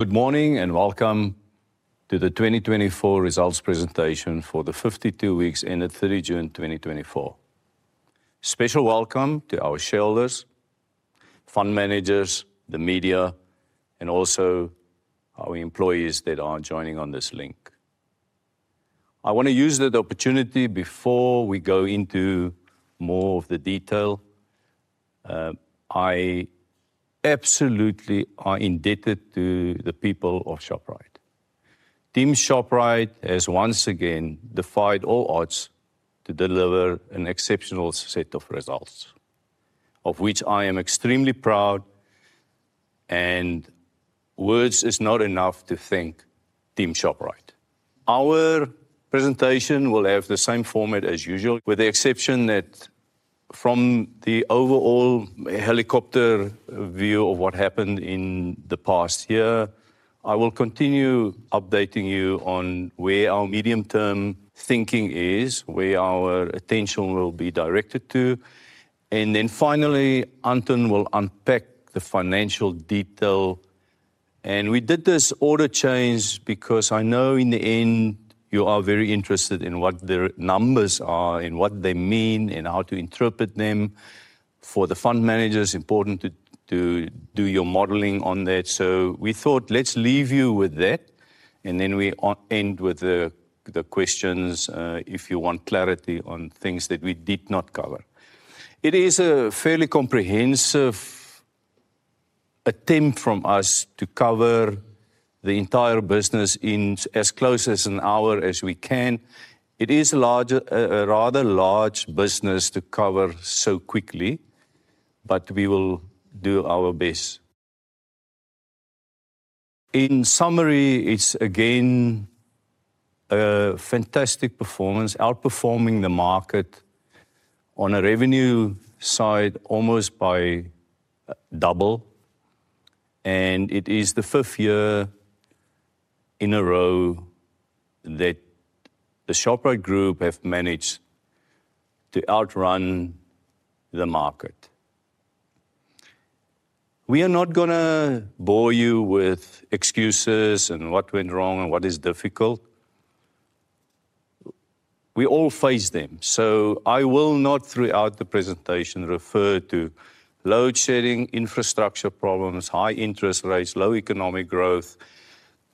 Good morning, and welcome to the 2024 results presentation for the 52 weeks ended thirty June, 2024. Special welcome to our shareholders, fund managers, the media, and also our employees that are joining on this link. I want to use the opportunity before we go into more of the detail. I absolutely are indebted to the people of Shoprite. Team Shoprite has once again defied all odds to deliver an exceptional set of results, of which I am extremely proud, and words is not enough to thank Team Shoprite. Our presentation will have the same format as usual, with the exception that from the overall helicopter view of what happened in the past year, I will continue updating you on where our medium-term thinking is, where our attention will be directed to, and then finally, Anton will unpack the financial detail. We did this order change because I know in the end, you are very interested in what the numbers are and what they mean, and how to interpret them. For the fund managers, important to do your modeling on that. So we thought, let's leave you with that, and then we end with the questions, if you want clarity on things that we did not cover. It is a fairly comprehensive attempt from us to cover the entire business in as close as an hour as we can. It is a larger, a rather large business to cover so quickly, but we will do our best. In summary, it's again, a fantastic performance, outperforming the market on a revenue side, almost by double, and it is the fifth year in a row that the Shoprite Group have managed to outrun the market. We are not gonna bore you with excuses and what went wrong and what is difficult. We all face them, so I will not, throughout the presentation, refer to load shedding, infrastructure problems, high interest rates, low economic growth,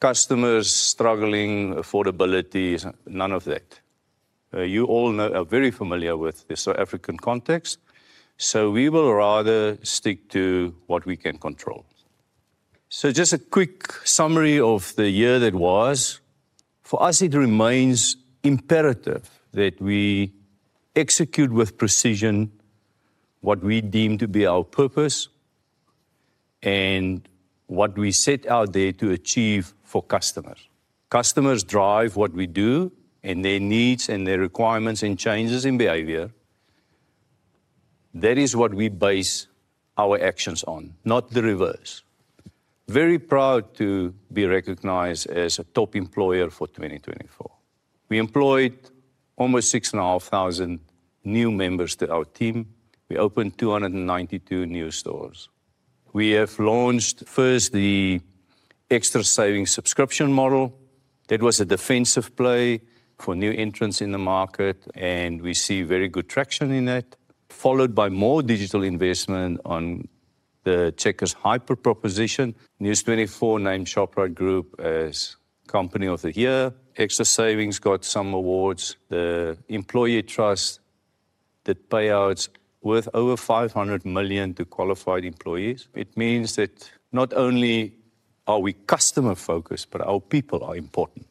customers struggling, affordability, none of that. You all know, are very familiar with the South African context, so we will rather stick to what we can control. So just a quick summary of the year that was. For us, it remains imperative that we execute with precision what we deem to be our purpose and what we set out there to achieve for customers. Customers drive what we do and their needs, and their requirements, and changes in behavior. That is what we base our actions on, not the reverse. Very proud to be recognized as a top employer for 2024. We employed almost six and a half thousand new members to our team. We opened 292 new stores. We have launched, first, the Xtra Savings subscription model. That was a defensive play for new entrants in the market, and we see very good traction in that, followed by more digital investment on the Checkers Hyper proposition. News24 named Shoprite Group as Company of the Year. Xtra Savings got some awards. The employee trust did payouts worth over 500 million to qualified employees. It means that not only are we customer-focused, but our people are important.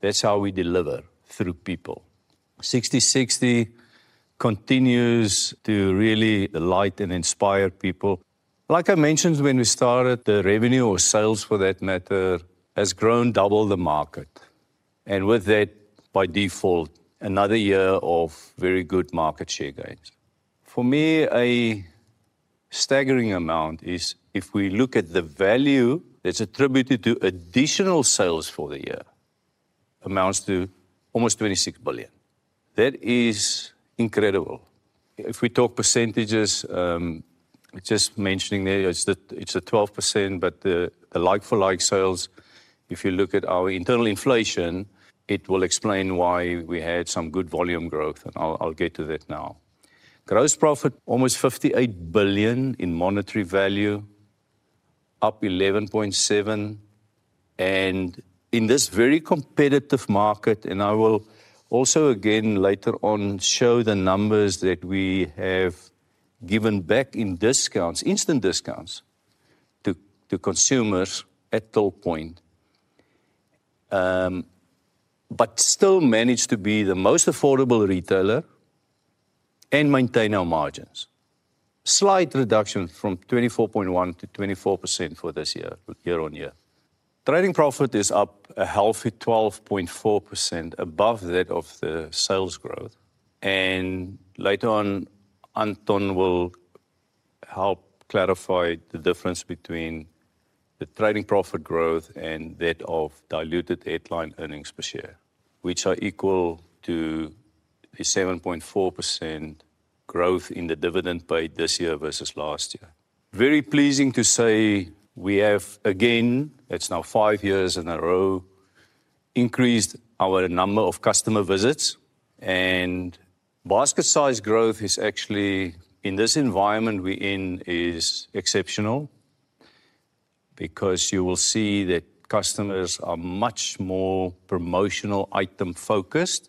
That's how we deliver, through people. Sixty60 continues to really delight and inspire people. Like I mentioned when we started, the revenue or sales, for that matter, has grown double the market, and with that, by default, another year of very good market share gains. For me, a staggering amount is if we look at the value that's attributed to additional sales for the year, amounts to almost 26 billion. That is incredible. If we talk percentages, just mentioning there, it's the, it's a 12%, but the, the like-for-like sales, if you look at our internal inflation, it will explain why we had some good volume growth, and I'll, I'll get to that now. Gross profit, almost 58 billion in monetary value, up 11.7%. And in this very competitive market, and I will also again, later on, show the numbers that we have given back in discounts, instant discounts, to, to consumers at till point. But still managed to be the most affordable retailer and maintain our margins. Slight reduction from 24.1% to 24% for this year, year on year. Trading profit is up a healthy 12.4% above that of the sales growth. Later on, Anton will help clarify the difference between the trading profit growth and that of diluted headline earnings per share, which are equal to a 7.4% growth in the dividend paid this year versus last year. Very pleasing to say we have, again, it's now five years in a row, increased our number of customer visits, and basket size growth is actually, in this environment we're in, is exceptional. Because you will see that customers are much more promotional item focused,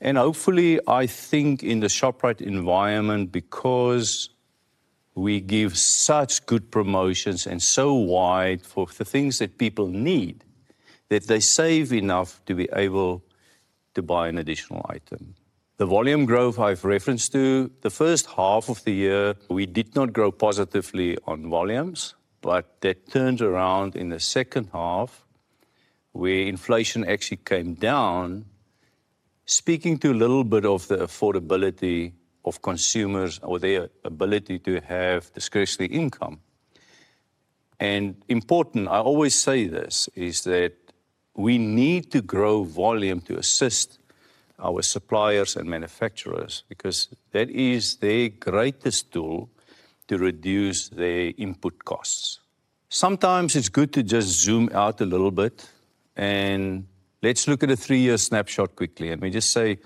and hopefully, I think in the Shoprite environment, because we give such good promotions and so wide for the things that people need, that they save enough to be able to buy an additional item. The volume growth I've referenced to, the first half of the year, we did not grow positively on volumes, but that turned around in the second half, where inflation actually came down, speaking to a little bit of the affordability of consumers or their ability to have discretionary income. And important, I always say this, is that we need to grow volume to assist our suppliers and manufacturers because that is their greatest tool to reduce their input costs. Sometimes it's good to just zoom out a little bit and let's look at a 3 year snapshot quickly, and we just say,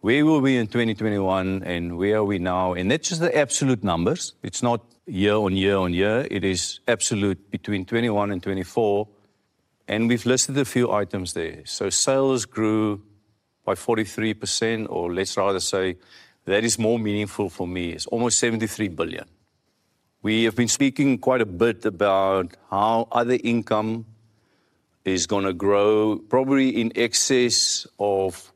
where were we in 2021 and where are we now? And that's just the absolute numbers. It's not year on year on year. It is absolute between 2021 and 2024, and we've listed a few items there. So sales grew by 43%, or let's rather say, that is more meaningful for me. It's almost 73 billion. We have been speaking quite a bit about how other income is gonna grow, probably in excess of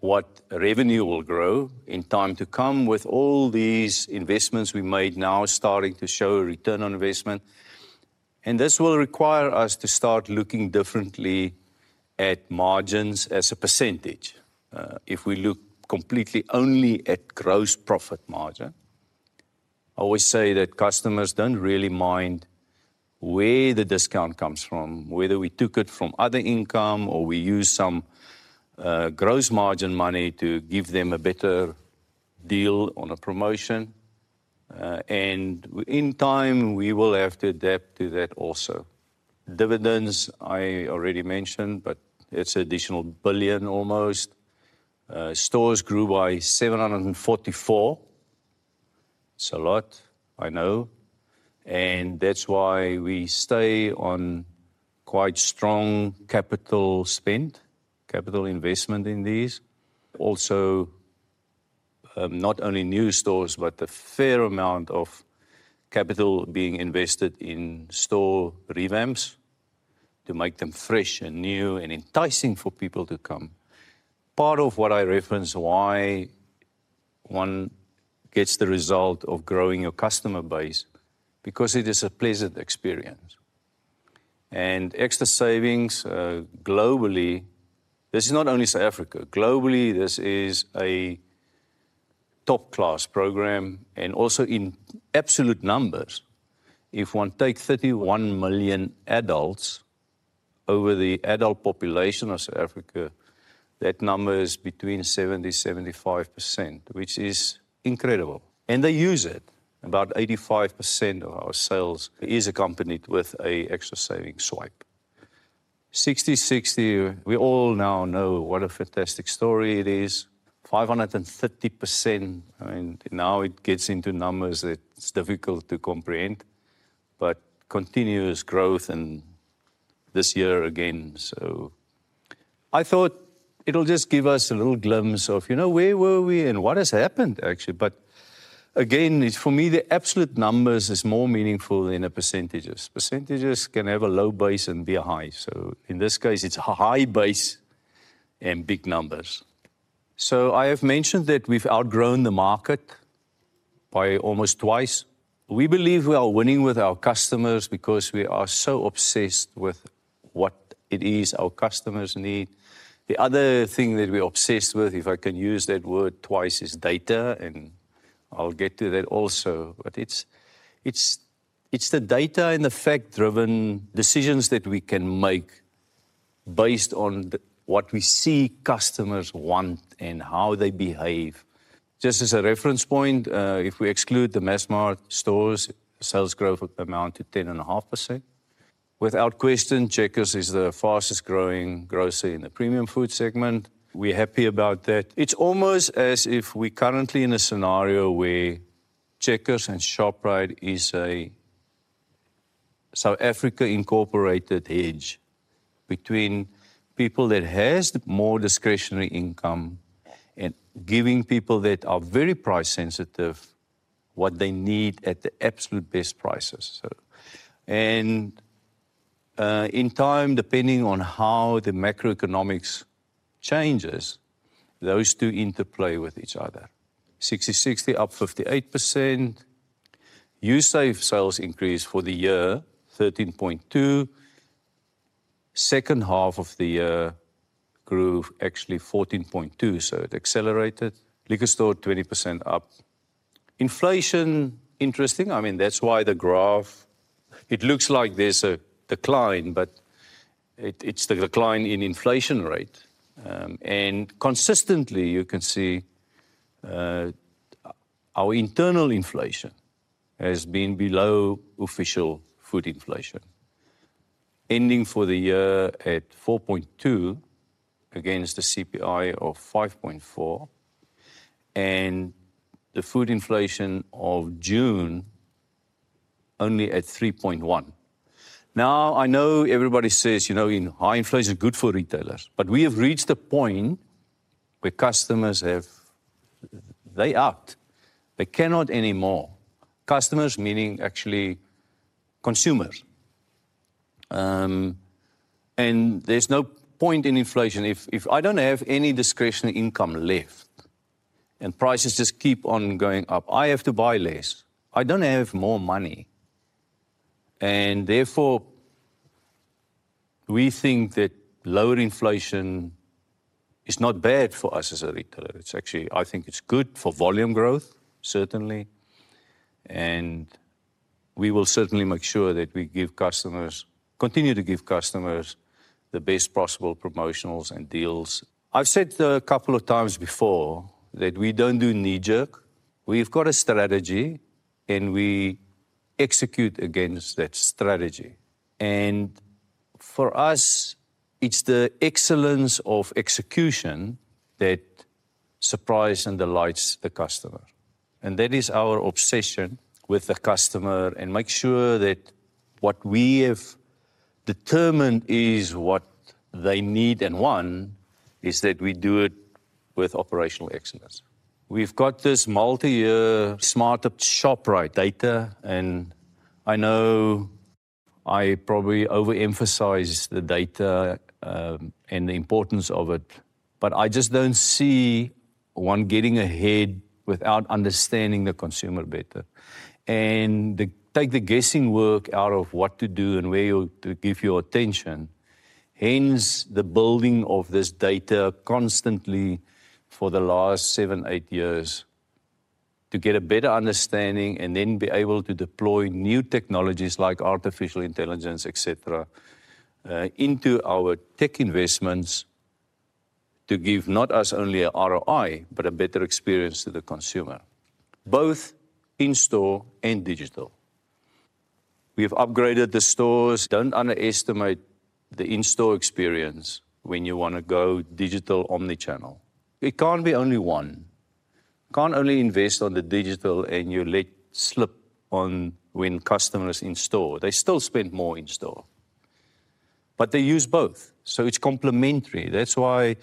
what revenue will grow in time to come, with all these investments we made now starting to show a return on investment. And this will require us to start looking differently at margins as a percentage. If we look completely only at gross profit margin, I always say that customers don't really mind where the discount comes from, whether we took it from other income or we use some gross margin money to give them a better deal on a promotion. And in time, we will have to adapt to that also. Dividends, I already mentioned, but it's additional billion, almost. Stores grew by 744. It's a lot, I know, and that's why we stay on quite strong capital spend, capital investment in these. Also, not only new stores, but a fair amount of capital being invested in store revamps to make them fresh and new and enticing for people to come. Part of what I reference, why one gets the result of growing your customer base, because it is a pleasant experience, and Xtra Savings, globally, this is not only South Africa. Globally, this is a top-class program, and also in absolute numbers, if one take 31 million adults over the adult population of South Africa, that number is between 70 to 75%, which is incredible, and they use it. About 85% of our sales is accompanied with a Xtra Savings swipe. Sixty60, we all now know what a fantastic story it is, 530%, and now it gets into numbers that it's difficult to comprehend, but continuous growth and this year again. So I thought it'll just give us a little glimpse of, you know, where were we and what has happened, actually. But again, for me, the absolute numbers is more meaningful than the percentages. Percentages can have a low base and be high. So in this case, it's a high base and big numbers. So I have mentioned that we've outgrown the market by almost twice. We believe we are winning with our customers because we are so obsessed with what it is our customers need. The other thing that we're obsessed with, if I can use that word twice, is data, and I'll get to that also. But it's the data and the fact-driven decisions that we can make based on what we see customers want and how they behave. Just as a reference point, if we exclude the Massmart stores, sales growth would amount to 10.5%. Without question, Checkers is the fastest-growing grocer in the premium food segment. We're happy about that. It's almost as if we're currently in a scenario where Checkers and Shoprite is a South Africa incorporated hedge between people that has more discretionary income and giving people that are very price sensitive what they need at the absolute best prices. So, and, in time, depending on how the macroeconomics changes, those two interplay with each other. Sixty60, up 58%. uSave sales increase for the year, 13.2%. second half of the year grew actually 14.2%, so it accelerated. Liquor Store, 20% up. Inflation, interesting. I mean, that's why the graph, it looks like there's a decline, but it's the decline in inflation rate. And consistently, you can see our internal inflation has been below official food inflation, ending for the year at 4.2% against a CPI of 5.4%, and the food inflation of June only at 3.1%. Now, I know everybody says, you know, in high inflation is good for retailers, but we have reached a point where customers have they’re out, they cannot anymore. Customers, meaning actually consumers. And there’s no point in inflation if I don’t have any discretionary income left, and prices just keep on going up, I have to buy less. I don't have more money, and therefore, we think that lower inflation is not bad for us as a retailer. It's actually, I think it's good for volume growth, certainly, and we will certainly make sure that we continue to give customers the best possible promotionals and deals. I've said a couple of times before that we don't do knee-jerk. We've got a strategy, and we execute against that strategy, and for us, it's the excellence of execution that surprise and delights the customer, and that is our obsession with the customer and make sure that what we have determined is what they need and want, is that we do it with operational excellence. We've got this multi-year smart Shoprite data, and I know I probably overemphasize the data, and the importance of it, but I just don't see one getting ahead without understanding the consumer better and take the guessing work out of what to do and where you to give your attention. Hence, the building of this data constantly for the last seven, eight years, to get a better understanding and then be able to deploy new technologies like artificial intelligence, et cetera, into our tech investments, to give not us only a ROI, but a better experience to the consumer, both in-store and digital. We've upgraded the stores. Don't underestimate the in-store experience when you want to go digital omnichannel. It can't be only one. You can't only invest on the digital, and you let slip on when customers in store. They still spend more in store, but they use both, so it's complementary. That's why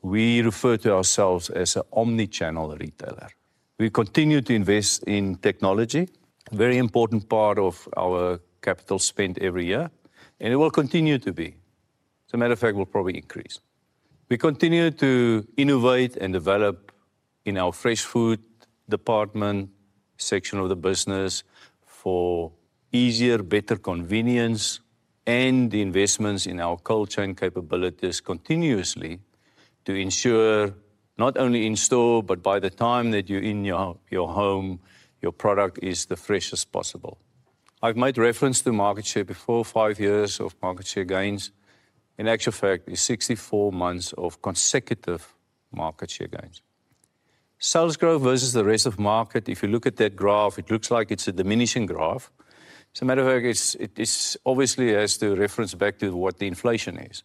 we refer to ourselves as an omnichannel retailer. We continue to invest in technology, very important part of our capital spend every year, and it will continue to be. As a matter of fact, will probably increase. We continue to innovate and develop in our fresh food department section of the business for easier, better convenience, and the investments in our culture and capabilities continuously to ensure not only in store, but by the time that you're in your home, your product is the freshest possible. I've made reference to market share before, five years of market share gains. In actual fact, it's 64 months of consecutive market share gains. Sales growth versus the rest of market, if you look at that graph, it looks like it's a diminishing graph. As a matter of fact, it's obviously it has to reference back to what the inflation is.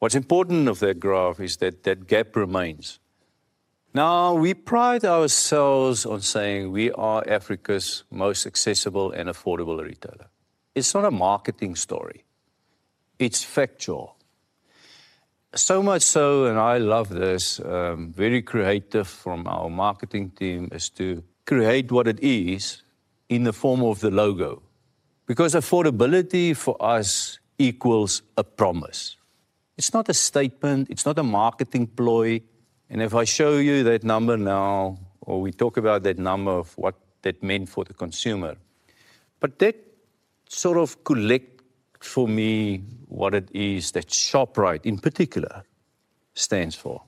What's important about that graph is that that gap remains. Now, we pride ourselves on saying we are Africa's most accessible and affordable retailer. It's not a marketing story, it's factual. So much so, and I love this, very creative from our marketing team, is to create what it is in the form of the logo. Because affordability for us equals a promise. It's not a statement, it's not a marketing ploy, and if I show you that number now, or we talk about that number of what that meant for the consumer, but that sort of collect for me what it is that Shoprite, in particular, stands for.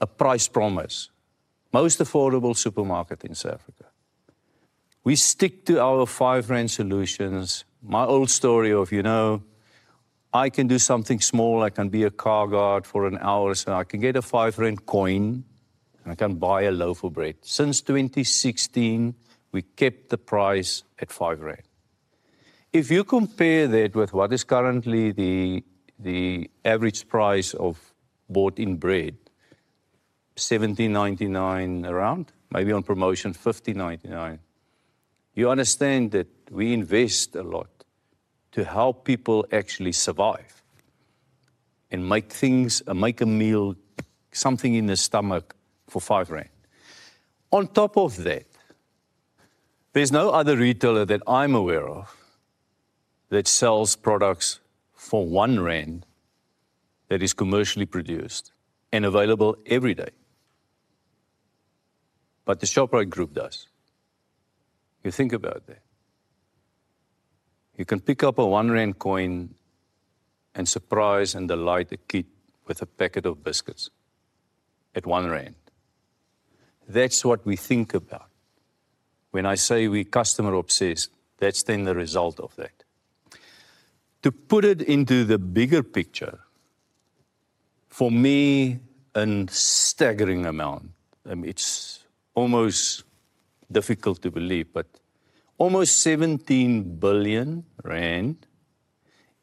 A price promise, most affordable supermarket in South Africa. We stick to our 5 solutions. My old story of, you know, I can do something small. I can be a car guard for an hour, so I can get a 5 coin, and I can buy a loaf of bread. Since 2016, we kept the price at 5 rand. If you compare that with what is currently the average price of bought in bread, 17.99 around, maybe on promotion, 15.99, you understand that we invest a lot to help people actually survive and make things, make a meal, something in the stomach for 5 rand. On top of that, there's no other retailer that I'm aware of that sells products for 1 rand, that is commercially produced and available every day. But the Shoprite Group does. You think about that?... You can pick up a one ZAR coin and surprise and delight a kid with a packet of biscuits at one ZAR. That's what we think about. When I say we're customer obsessed, that's then the result of that. To put it into the bigger picture, for me, a staggering amount, it's almost difficult to believe, but almost 17 billion rand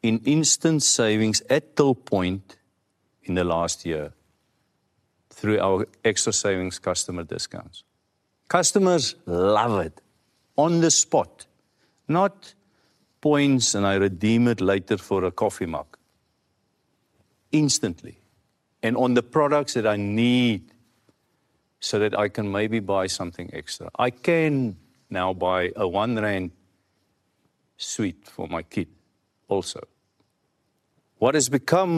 in instant savings at till point in the last year through our Xtra Savings customer discounts. Customers love it on the spot, not points, and I redeem it later for a coffee mug. Instantly, and on the products that I need so that I can maybe buy something extra. I can now buy a one ZAR sweet for my kid also. What has become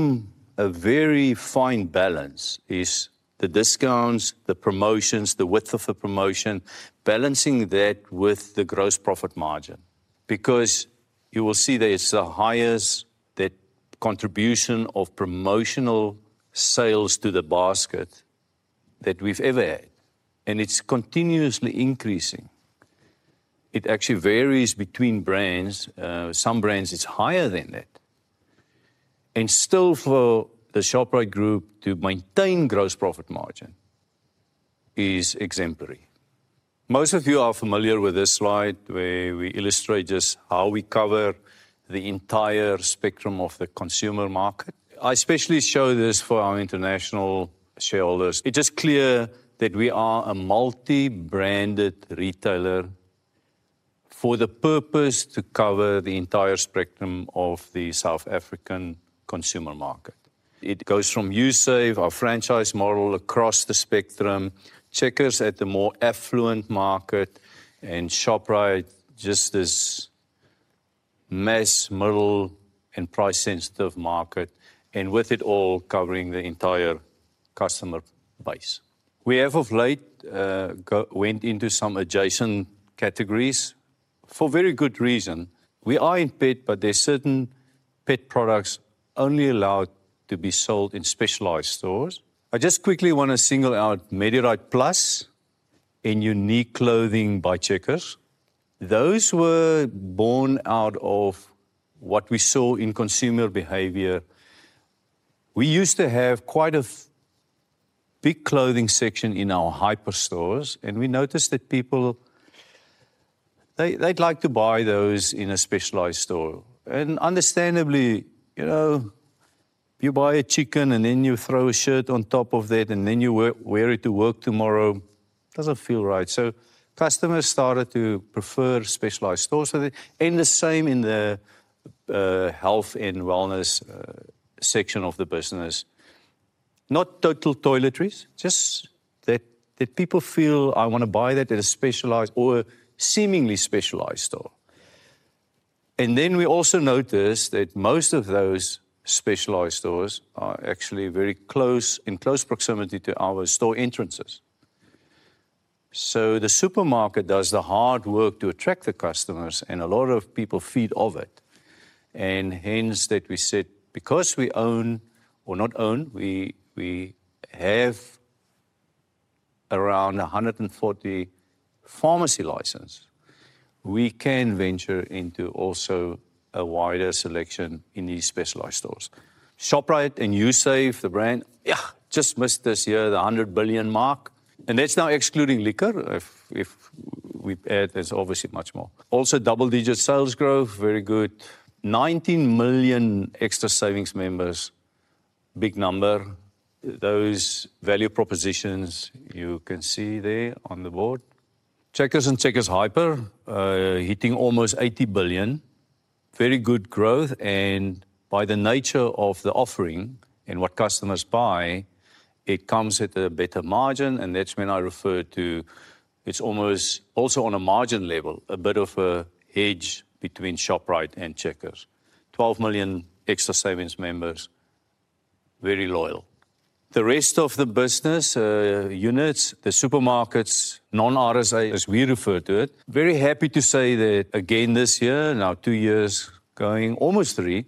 a very fine balance is the discounts, the promotions, the width of the promotion, balancing that with the gross profit margin, because you will see there's the highest, that contribution of promotional sales to the basket that we've ever had, and it's continuously increasing. It actually varies between brands. Some brands, it's higher than that. And still, for the Shoprite Group to maintain gross profit margin is exemplary. Most of you are familiar with this slide, where we illustrate just how we cover the entire spectrum of the consumer market. I especially show this for our international shareholders. It's just clear that we are a multi-branded retailer for the purpose to cover the entire spectrum of the South African consumer market. It goes from uSave, our franchise model, across the spectrum, Checkers at the more affluent market, and Shoprite, just this mass, middle, and price-sensitive market, and with it all covering the entire customer base. We have of late, went into some adjacent categories for very good reason. We are in pet, but there are certain pet products only allowed to be sold in specialized stores. I just quickly want to single out Medirite Plus and UNIQ clothing by Checkers. Those were born out of what we saw in consumer behavior. We used to have quite a big clothing section in our hyper stores, and we noticed that people, they, they'd like to buy those in a specialized store. And understandably, you know, you buy a chicken, and then you throw a shirt on top of that, and then you wear it to work tomorrow. Doesn't feel right. Customers started to prefer specialized stores for that. The same in the health and wellness section of the business. Not total toiletries, just that people feel, "I want to buy that at a specialized or a seemingly specialized store." We also noticed that most of those specialized stores are actually very close, in close proximity to our store entrances. The supermarket does the hard work to attract the customers, and a lot of people feed off it. Hence, we said, because we own, or not own, we have around 140 pharmacy licenses. We can venture into also a wider selection in these specialized stores. Shoprite and uSave, the brand, yeah, just missed this year, the 100 billion mark, and that's now excluding liquor. If we add, there's obviously much more. Also, double-digit sales growth, very good. 90 million Xtra Savings members, big number. Those value propositions you can see there on the board. Checkers and Checkers Hyper, hitting almost 80 billion. Very good growth, and by the nature of the offering and what customers buy, it comes at a better margin, and that's when I refer to, it's almost also on a margin level, a bit of a hedge between Shoprite and Checkers. 12 million Xtra Savings members, very loyal. The rest of the business, units, the supermarkets, Non-RSA, as we refer to it, very happy to say that again this year, now two years going, almost three,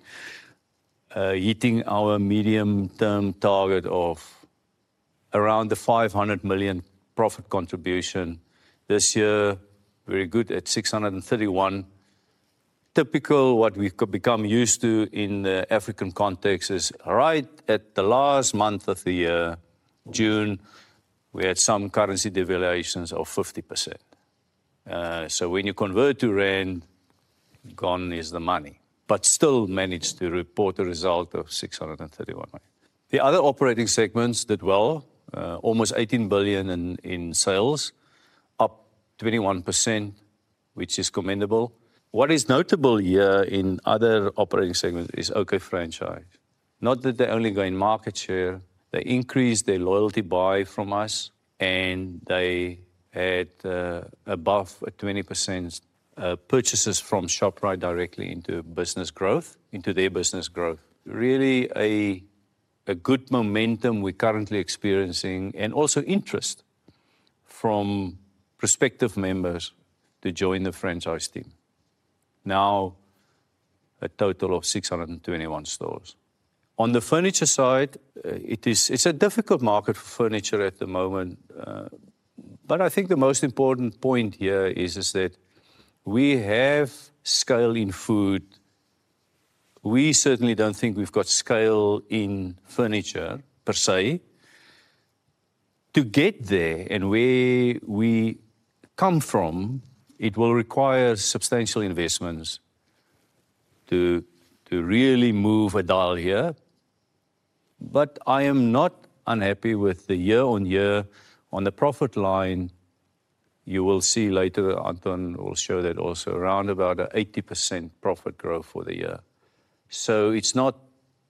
hitting our medium-term target of around the 500 million profit contribution. This year, very good at 631 million. Typically, what we could become used to in the African context is right at the last month of the year, June, we had some currency devaluations of 50%. So when you convert to rand, gone is the money, but still managed to report a result of 631 million. The other operating segments did well, almost 18 billion in sales, up 21%, which is commendable. What is notable here in other operating segments is OK franchise. Not that they only gain market share, they increase their loyalty buy from us, and they had above a 20% purchases from Shoprite directly into business growth, into their business growth. Really, a good momentum we're currently experiencing, and also interest from prospective members to join the franchise team. Now, a total of 621 stores. On the furniture side, it is, it's a difficult market for furniture at the moment, but I think the most important point here is that we have scale in food. We certainly don't think we've got scale in furniture per se. To get there and where we come from, it will require substantial investments to really move a dial here. But I am not unhappy with the year on year. On the profit line, you will see later, Anton will show that also, around about 80% profit growth for the year. So it's not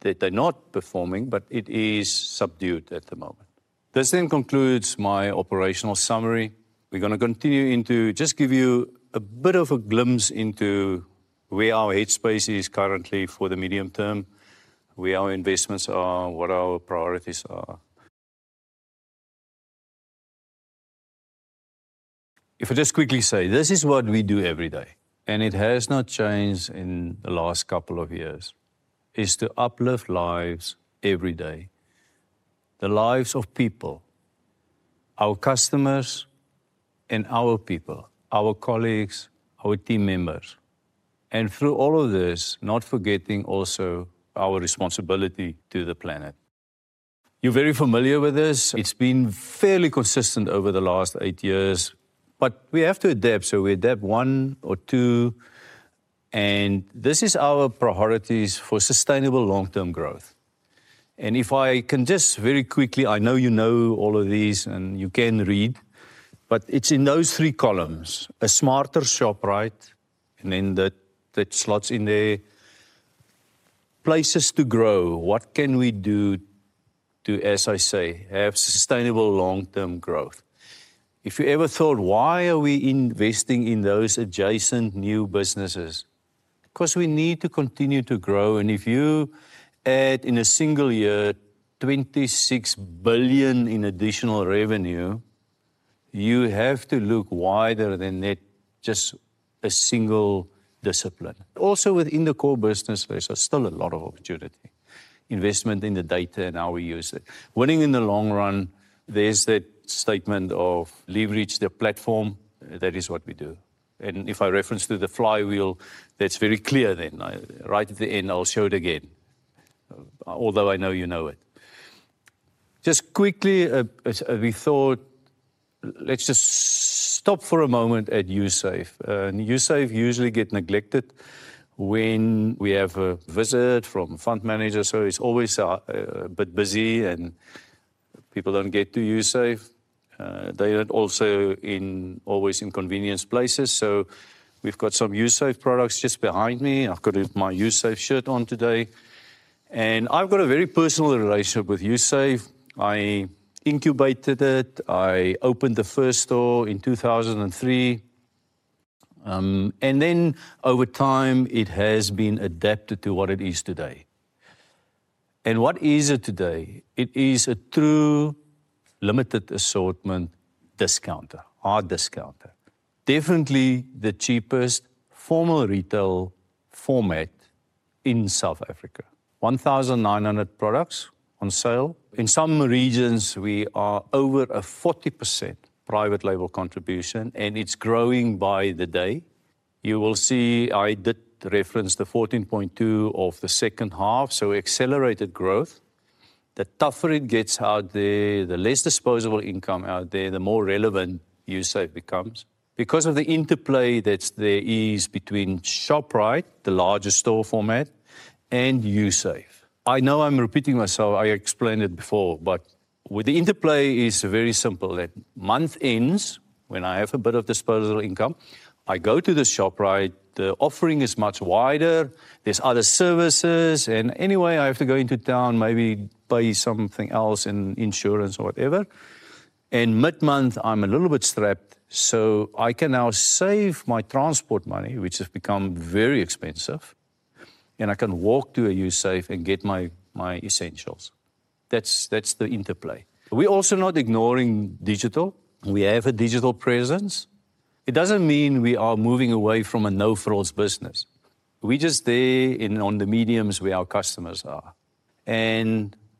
that they're not performing, but it is subdued at the moment. This then concludes my operational summary. We're gonna continue into just give you a bit of a glimpse into where our headspace is currently for the medium term, where our investments are, what our priorities are. If I just quickly say, this is what we do every day, and it has not changed in the last couple of years, is to uplift lives every day, the lives of people, our customers and our people, our colleagues, our team members, and through all of this, not forgetting also our responsibility to the planet. You're very familiar with this. It's been fairly consistent over the last eight years, but we have to adapt, so we adapt one or two, and this is our priorities for sustainable long-term growth. If I can just very quickly, I know you know all of these, and you can read, but it's in those three columns, a smarter Shoprite, and then that slots in there. Places to grow. What can we do to, as I say, have sustainable long-term growth? If you ever thought, why are we investing in those adjacent new businesses? 'Cause we need to continue to grow, and if you add in a single year, 26 billion in additional revenue, you have to look wider than that, just a single discipline. Also, within the core business, there's still a lot of opportunity, investment in the data and how we use it. Winning in the long run, there's that statement of leverage the platform. That is what we do, and if I reference to the flywheel, that's very clear then. Right at the end, I'll show it again, although I know you know it. Just quickly, as we thought, let's just stop for a moment at uSave. And uSave usually get neglected when we have a visit from fund managers, so it's always a bit busy, and people don't get to uSave. They are also in always in convenience places, so we've got some uSave products just behind me. I've got my uSave shirt on today, and I've got a very personal relationship with uSave. I incubated it. I opened the first store in two thousand and three. And then over time, it has been adapted to what it is today. And what is it today? It is a true limited assortment discounter, hard discounter. Definitely the cheapest formal retail format in South Africa. 1,900 products on sale. In some regions, we are over a 40% private label contribution, and it's growing by the day. You will see I did reference the 14.2% of the second half, so accelerated growth. The tougher it gets out there, the less disposable income out there, the more relevant uSave becomes. Because of the interplay that there is between Shoprite, the largest store format, and uSave. I know I'm repeating myself. I explained it before, but the interplay is very simple, that month ends, when I have a bit of disposable income, I go to the Shoprite, the offering is much wider, there's other services, and anyway, I have to go into town, maybe buy something else, in insurance or whatever, and mid-month, I'm a little bit strapped, so I can now save my transport money, which has become very expensive, and I can walk to a uSave and get my, my essentials. That's, that's the interplay. We're also not ignoring digital. We have a digital presence. It doesn't mean we are moving away from a no-frills business. We're just there, on the media where our customers are.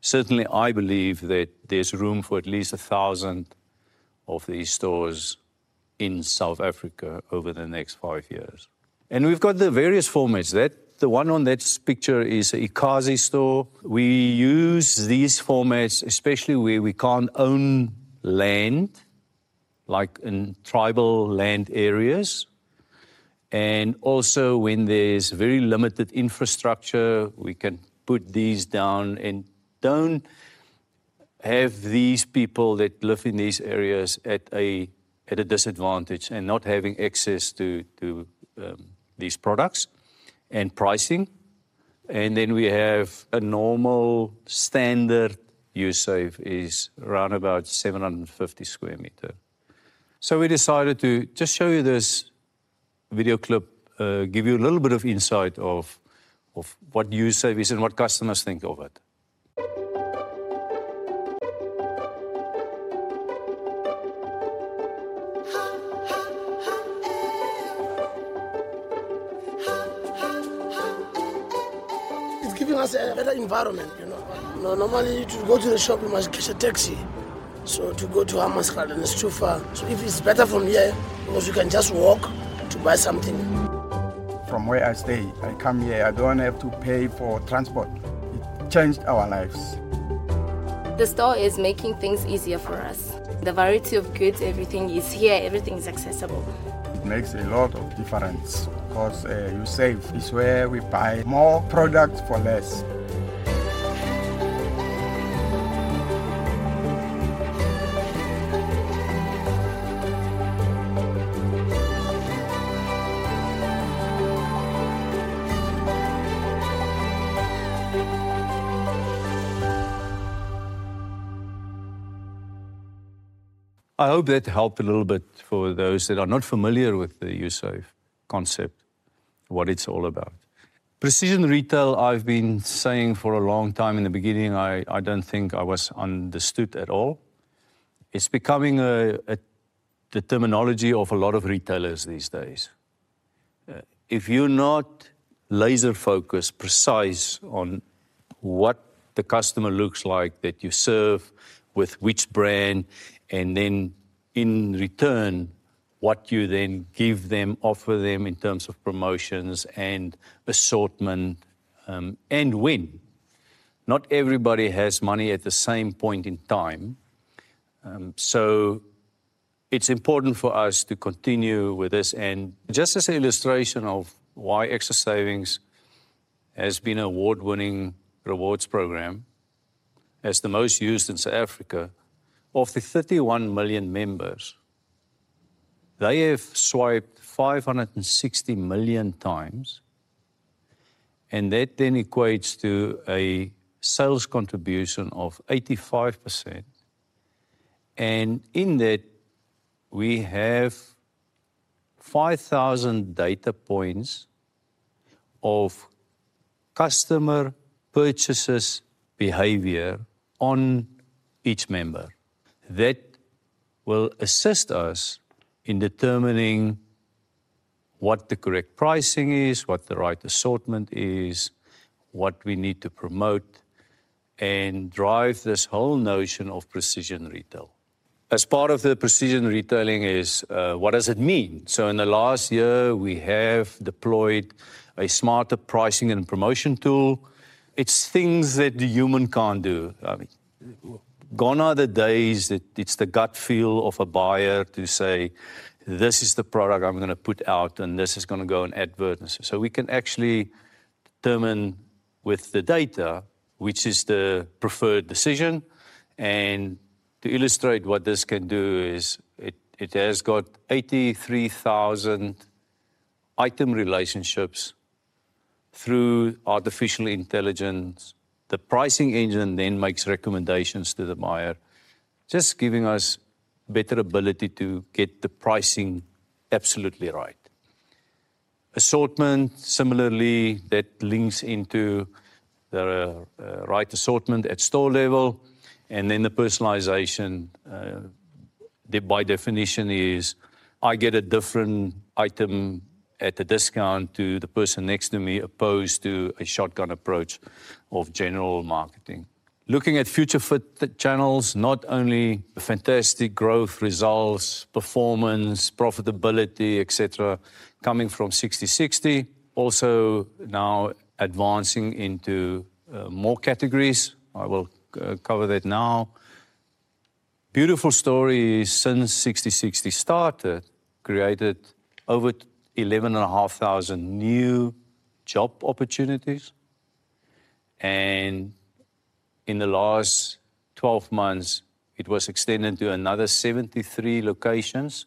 Certainly, I believe that there's room for at least a thousand of these stores in South Africa over the next five years. We've got the various formats. That one on that picture is eKasi store. We use these formats, especially where we can't own land, like in tribal land areas, and also when there's very limited infrastructure, we can put these down and don't have these people that live in these areas at a disadvantage and not having access to these products and pricing. Then we have a normal, standard uSave is around about 750 square meters. So we decided to just show you this video clip, give you a little bit of insight of what uSave is and what customers think of it. It's giving us a better environment, you know? Normally, to go to the shop, you must catch a taxi. So to go to Hammanskraal, and it's too far. So it is better from here because you can just walk to buy something. From where I stay, I come here, I don't have to pay for transport. It changed our lives. The store is making things easier for us. The variety of goods, everything is here, everything is accessible. It makes a lot of difference because, uSave is where we buy more products for less. I hope that helped a little bit for those that are not familiar with the uSave concept, what it's all about. Precision retail, I've been saying for a long time. In the beginning, I don't think I was understood at all. It's becoming the terminology of a lot of retailers these days. If you're not laser-focused, precise on what the customer looks like, that you serve with which brand, and then in return, what you then give them, offer them in terms of promotions and assortment, and when. Not everybody has money at the same point in time. So it's important for us to continue with this. Just as an illustration of why Xtra Savings has been an award-winning rewards program, as the most used in South Africa, of the 31 million members, they have swiped 560 million times, and that then equates to a sales contribution of 85%. In that, we have 5,000 data points of customer purchases behavior on each member. That will assist us in determining what the correct pricing is, what the right assortment is, what we need to promote, and drive this whole notion of precision retail. As part of the precision retailing is, what does it mean? In the last year, we have deployed a smarter pricing and promotion tool. It's things that the human can't do. Gone are the days that it's the gut feel of a buyer to say, "This is the product I'm gonna put out, and this is gonna go in advertisements." So we can actually determine with the data, which is the preferred decision. And to illustrate what this can do is it; it has got 83,000 item relationships through artificial intelligence. The pricing engine then makes recommendations to the buyer, just giving us better ability to get the pricing absolutely right. Assortment, similarly, that links into the right assortment at store level, and then the personalization, by definition is, I get a different item at a discount to the person next to me, opposed to a shotgun approach of general marketing. Looking at future-fit channels, not only the fantastic growth results, performance, profitability, et cetera, coming from Sixty60, also now advancing into more categories. I will cover that now. Beautiful story, since Sixty60 started, created over 11,500 new job opportunities, and in the last 12 months, it was extended to another 73 locations.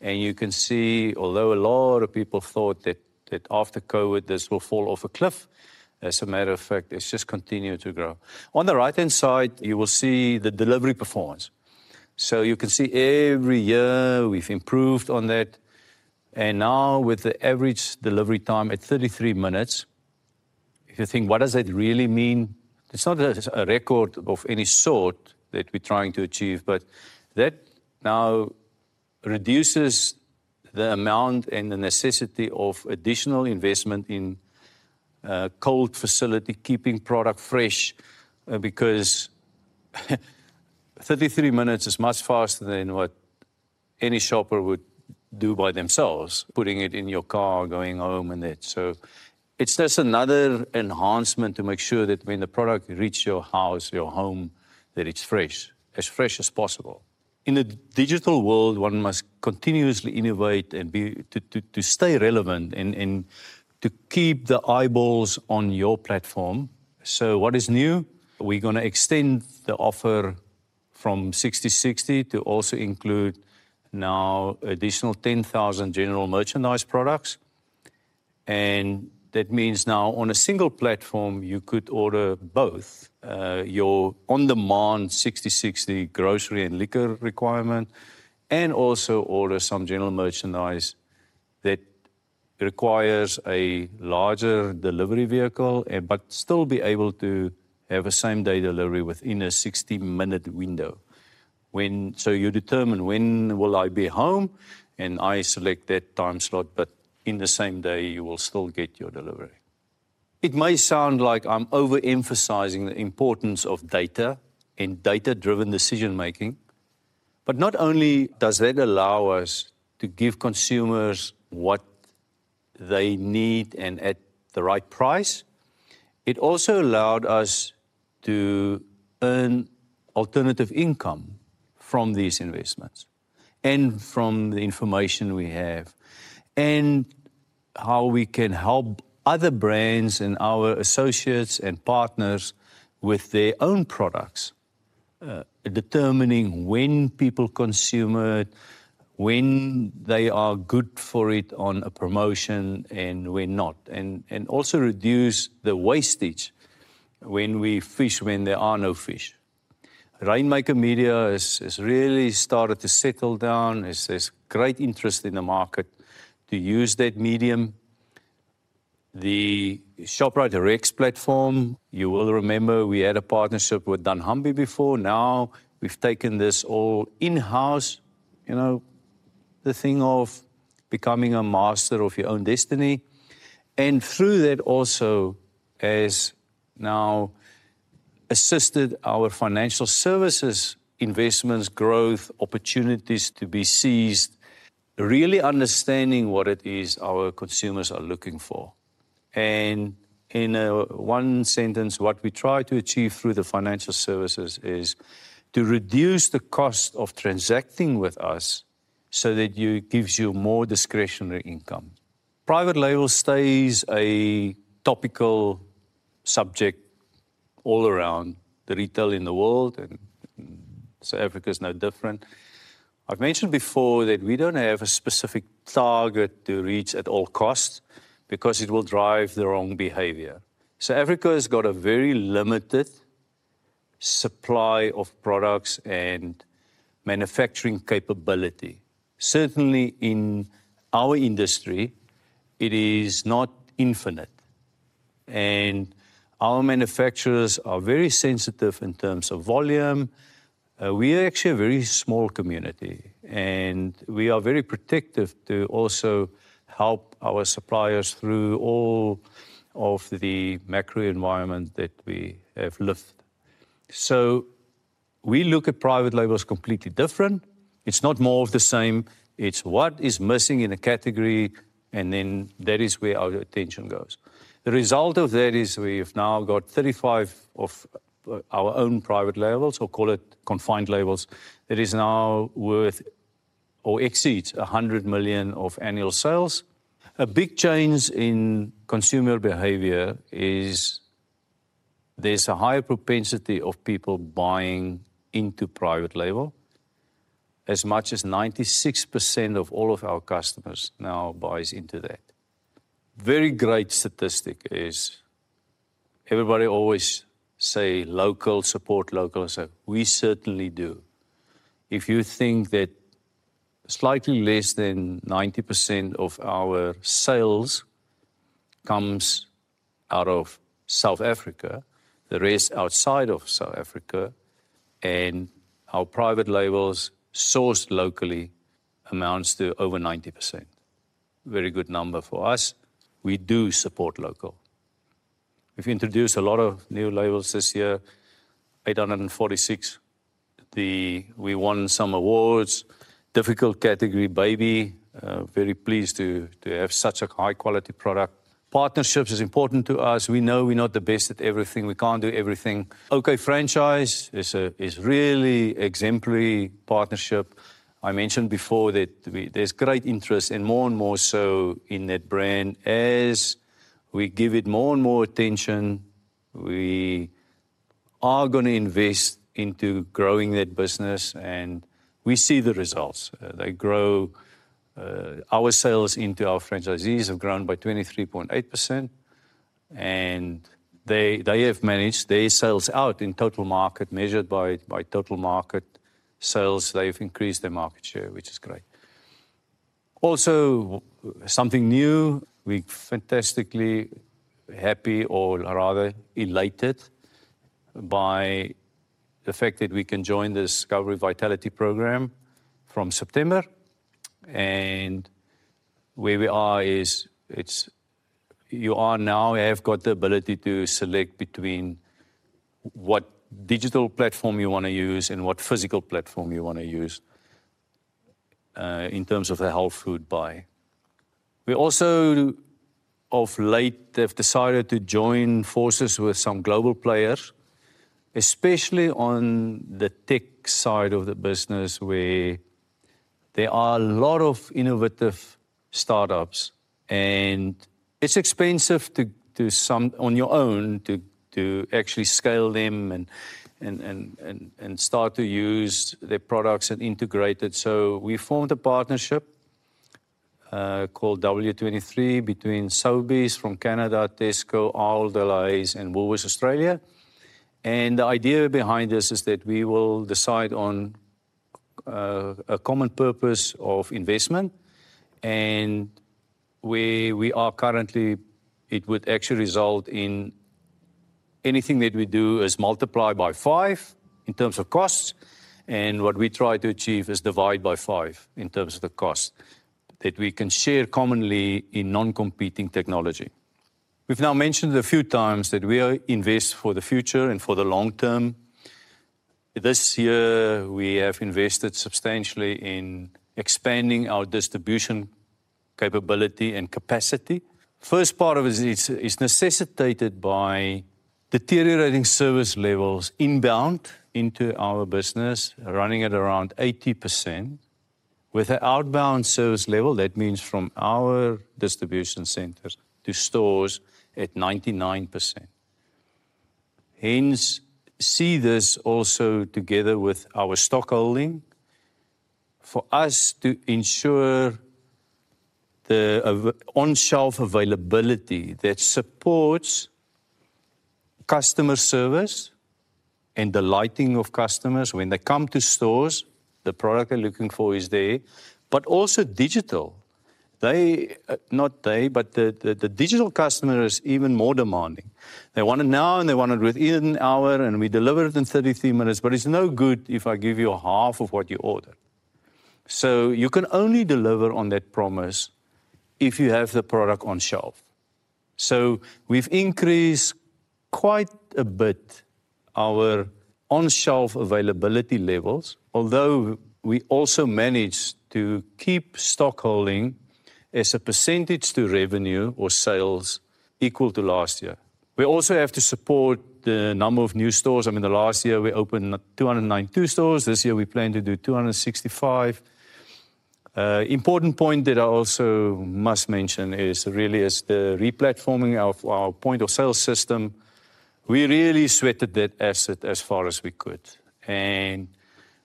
You can see, although a lot of people thought that after COVID, this will fall off a cliff, as a matter of fact, it's just continued to grow. On the right-hand side, you will see the delivery performance. You can see every year, we've improved on that, and now, with the average delivery time at 33 minutes, if you think, what does that really mean? It's not a record of any sort that we're trying to achieve, but that now reduces the amount and the necessity of additional investment in cold facility, keeping product fresh, because 33 minutes is much faster than what any shopper would do by themselves, putting it in your car, going home, and that. So it's just another enhancement to make sure that when the product reach your house, your home, that it's fresh, as fresh as possible. In a digital world, one must continuously innovate and be to stay relevant and to keep the eyeballs on your platform. So what is new? We're gonna extend the offer from Sixty60 to also include now additional ten thousand general merchandise products. And that means now on a single platform, you could order both, your on-demand Sixty60 grocery and liquor requirement, and also order some general merchandise that requires a larger delivery vehicle, but still be able to have a same-day delivery within a 60 minute window. So you determine, when will I be home? And I select that time slot, but in the same day, you will still get your delivery. It may sound like I'm overemphasizing the importance of data and data-driven decision making, but not only does that allow us to give consumers what they need and at the right price, it also allowed us to earn alternative income from these investments and from the information we have, and how we can help other brands and our associates and partners with their own products. Determining when people consume it, when they are good for it on a promotion, and when not, and also reduce the wastage when we fish, when there are no fish. Rainmaker Media has really started to settle down. There's great interest in the market to use that medium. The ShopriteX platform, you will remember we had a partnership with dunnhumby before. Now, we've taken this all in-house, you know, the thing of becoming a master of your own destiny. And through that also has now assisted our financial services, investments, growth, opportunities to be seized, really understanding what it is our consumers are looking for. And in one sentence, what we try to achieve through the financial services is to reduce the cost of transacting with us so that you, gives you more discretionary income. Private label stays a topical subject all around the retail in the world, and South Africa is no different. I've mentioned before that we don't have a specific target to reach at all costs because it will drive the wrong behavior. South Africa has got a very limited supply of products and manufacturing capability. Certainly, in our industry, it is not infinite, and our manufacturers are very sensitive in terms of volume. We are actually a very small community, and we are very protective to also help our suppliers through all of the macro environment that we have lived. So we look at private labels completely different. It's not more of the same, it's what is missing in a category, and then that is where our attention goes. The result of that is we've now got 35 of our own private labels, or call it confined labels, that is now worth or exceeds 100 million of annual sales. A big change in consumer behavior is there's a higher propensity of people buying into private label. As much as 96% of all of our customers now buys into that. Very great statistic is everybody always say, "Local, support local." So we certainly do. If you think that slightly less than 90% of our sales comes out of South Africa, the rest outside of South Africa, and our private labels sourced locally amounts to over 90%. Very good number for us. We do support local. We've introduced a lot of new labels this year, 846. We won some awards. Difficult category, baby. Very pleased to have such a high-quality product. Partnerships is important to us. We know we're not the best at everything. We can't do everything. OK Franchise is a really exemplary partnership. I mentioned before that there's great interest and more and more so in that brand. As we give it more and more attention, we are gonna invest into growing that business, and we see the results. They grow. Our sales into our franchisees have grown by 23.8%, and they have managed their sales out in total market, measured by total market sales. They've increased their market share, which is great. Also, something new, we're fantastically happy, or rather elated, by the fact that we can join the Discovery Vitality program from September. And where we are is, you are now have got the ability to select between what digital platform you want to use and what physical platform you want to use, in terms of the health food buy. We also, of late, have decided to join forces with some global players, especially on the tech side of the business, where there are a lot of innovative startups, and it's expensive to do some on your own, to actually scale them and start to use their products and integrate it. So we formed a partnership, called W23, between Sobeys from Canada, Tesco, Ahold Delhaize, and Woolworths Australia. And the idea behind this is that we will decide on-... A common purpose of investment, and where we are currently, it would actually result in anything that we do is multiplied by five in terms of costs, and what we try to achieve is divide by five in terms of the cost, that we can share commonly in non-competing technology. We've now mentioned a few times that we are invest for the future and for the long term. This year, we have invested substantially in expanding our distribution capability and capacity. First part of it is necessitated by deteriorating service levels inbound into our business, running at around 80%, with an outbound service level, that means from our distribution centers to stores, at 99%. Hence, we see this also together with our stock holding, for us to ensure the on-shelf availability that supports customer service and delighting of customers. When they come to stores, the product they're looking for is there, but also digital. They, not they, but the digital customer is even more demanding. They want it now, and they want it within an hour, and we deliver it in 33 minutes, but it's no good if I give you half of what you ordered. So you can only deliver on that promise if you have the product on shelf. So we've increased quite a bit our on-shelf availability levels, although we also managed to keep stock holding as a percentage to revenue or sales equal to last year. We also have to support the number of new stores. I mean, the last year, we opened 292 stores. This year, we plan to do 265. Important point that I also must mention is really the replatforming of our point of sale system. We really sweated that asset as far as we could, and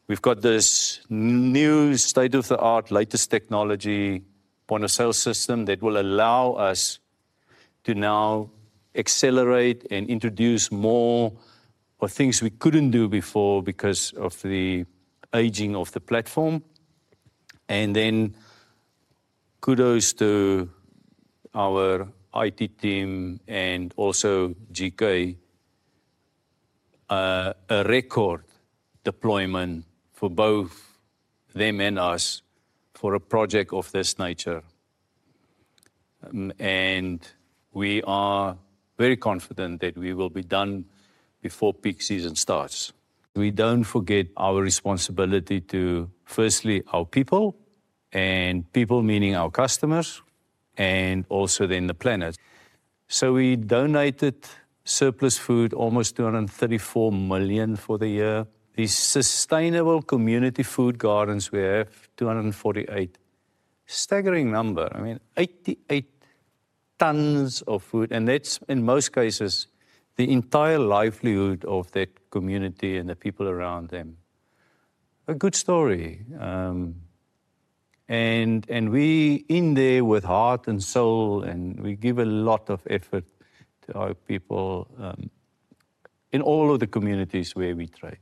we've got this new state-of-the-art, latest technology point of sale system that will allow us to now accelerate and introduce more of the things we couldn't do before because of the aging of the platform. And then kudos to our IT team and also GK, a record deployment for both them and us for a project of this nature. We are very confident that we will be done before peak season starts. We don't forget our responsibility to, firstly, our people, and people meaning our customers, and also then the planet. We donated surplus food, almost 234 million for the year. The sustainable community food gardens, we have 248. Staggering number, I mean, 88 tons of food, and that's, in most cases, the entire livelihood of that community and the people around them. A good story, and we in there with heart and soul, and we give a lot of effort to our people, in all of the communities where we trade.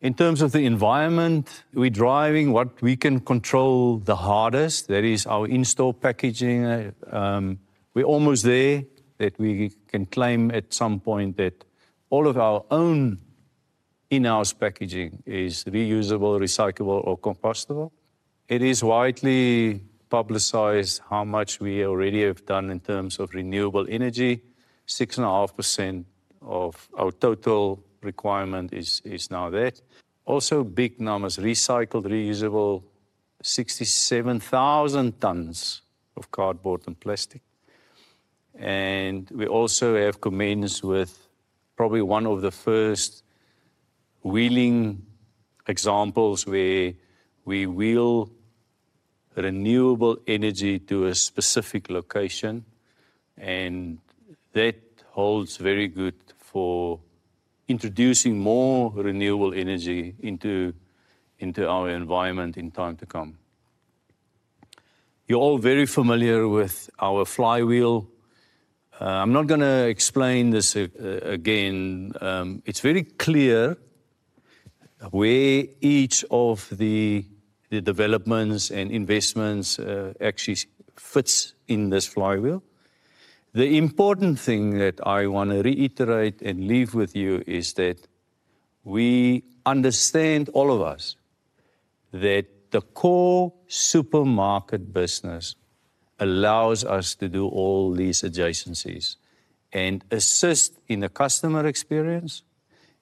In terms of the environment, we're driving what we can control the hardest. That is our in-store packaging. We're almost there, that we can claim at some point that all of our own in-house packaging is reusable, recyclable, or compostable. It is widely publicized how much we already have done in terms of renewable energy. 6.5% of our total requirement is now that. Also, big numbers, recycled, reusable, 67,000 tons of cardboard and plastic. And we also have commenced with probably one of the first wheeling examples where we wheel renewable energy to a specific location, and that holds very good for introducing more renewable energy into our environment in time to come. You're all very familiar with our flywheel. I'm not gonna explain this again. It's very clear where each of the developments and investments actually fits in this flywheel. The important thing that I want to reiterate and leave with you is that we understand, all of us, that the core supermarket business allows us to do all these adjacencies and assist in the customer experience,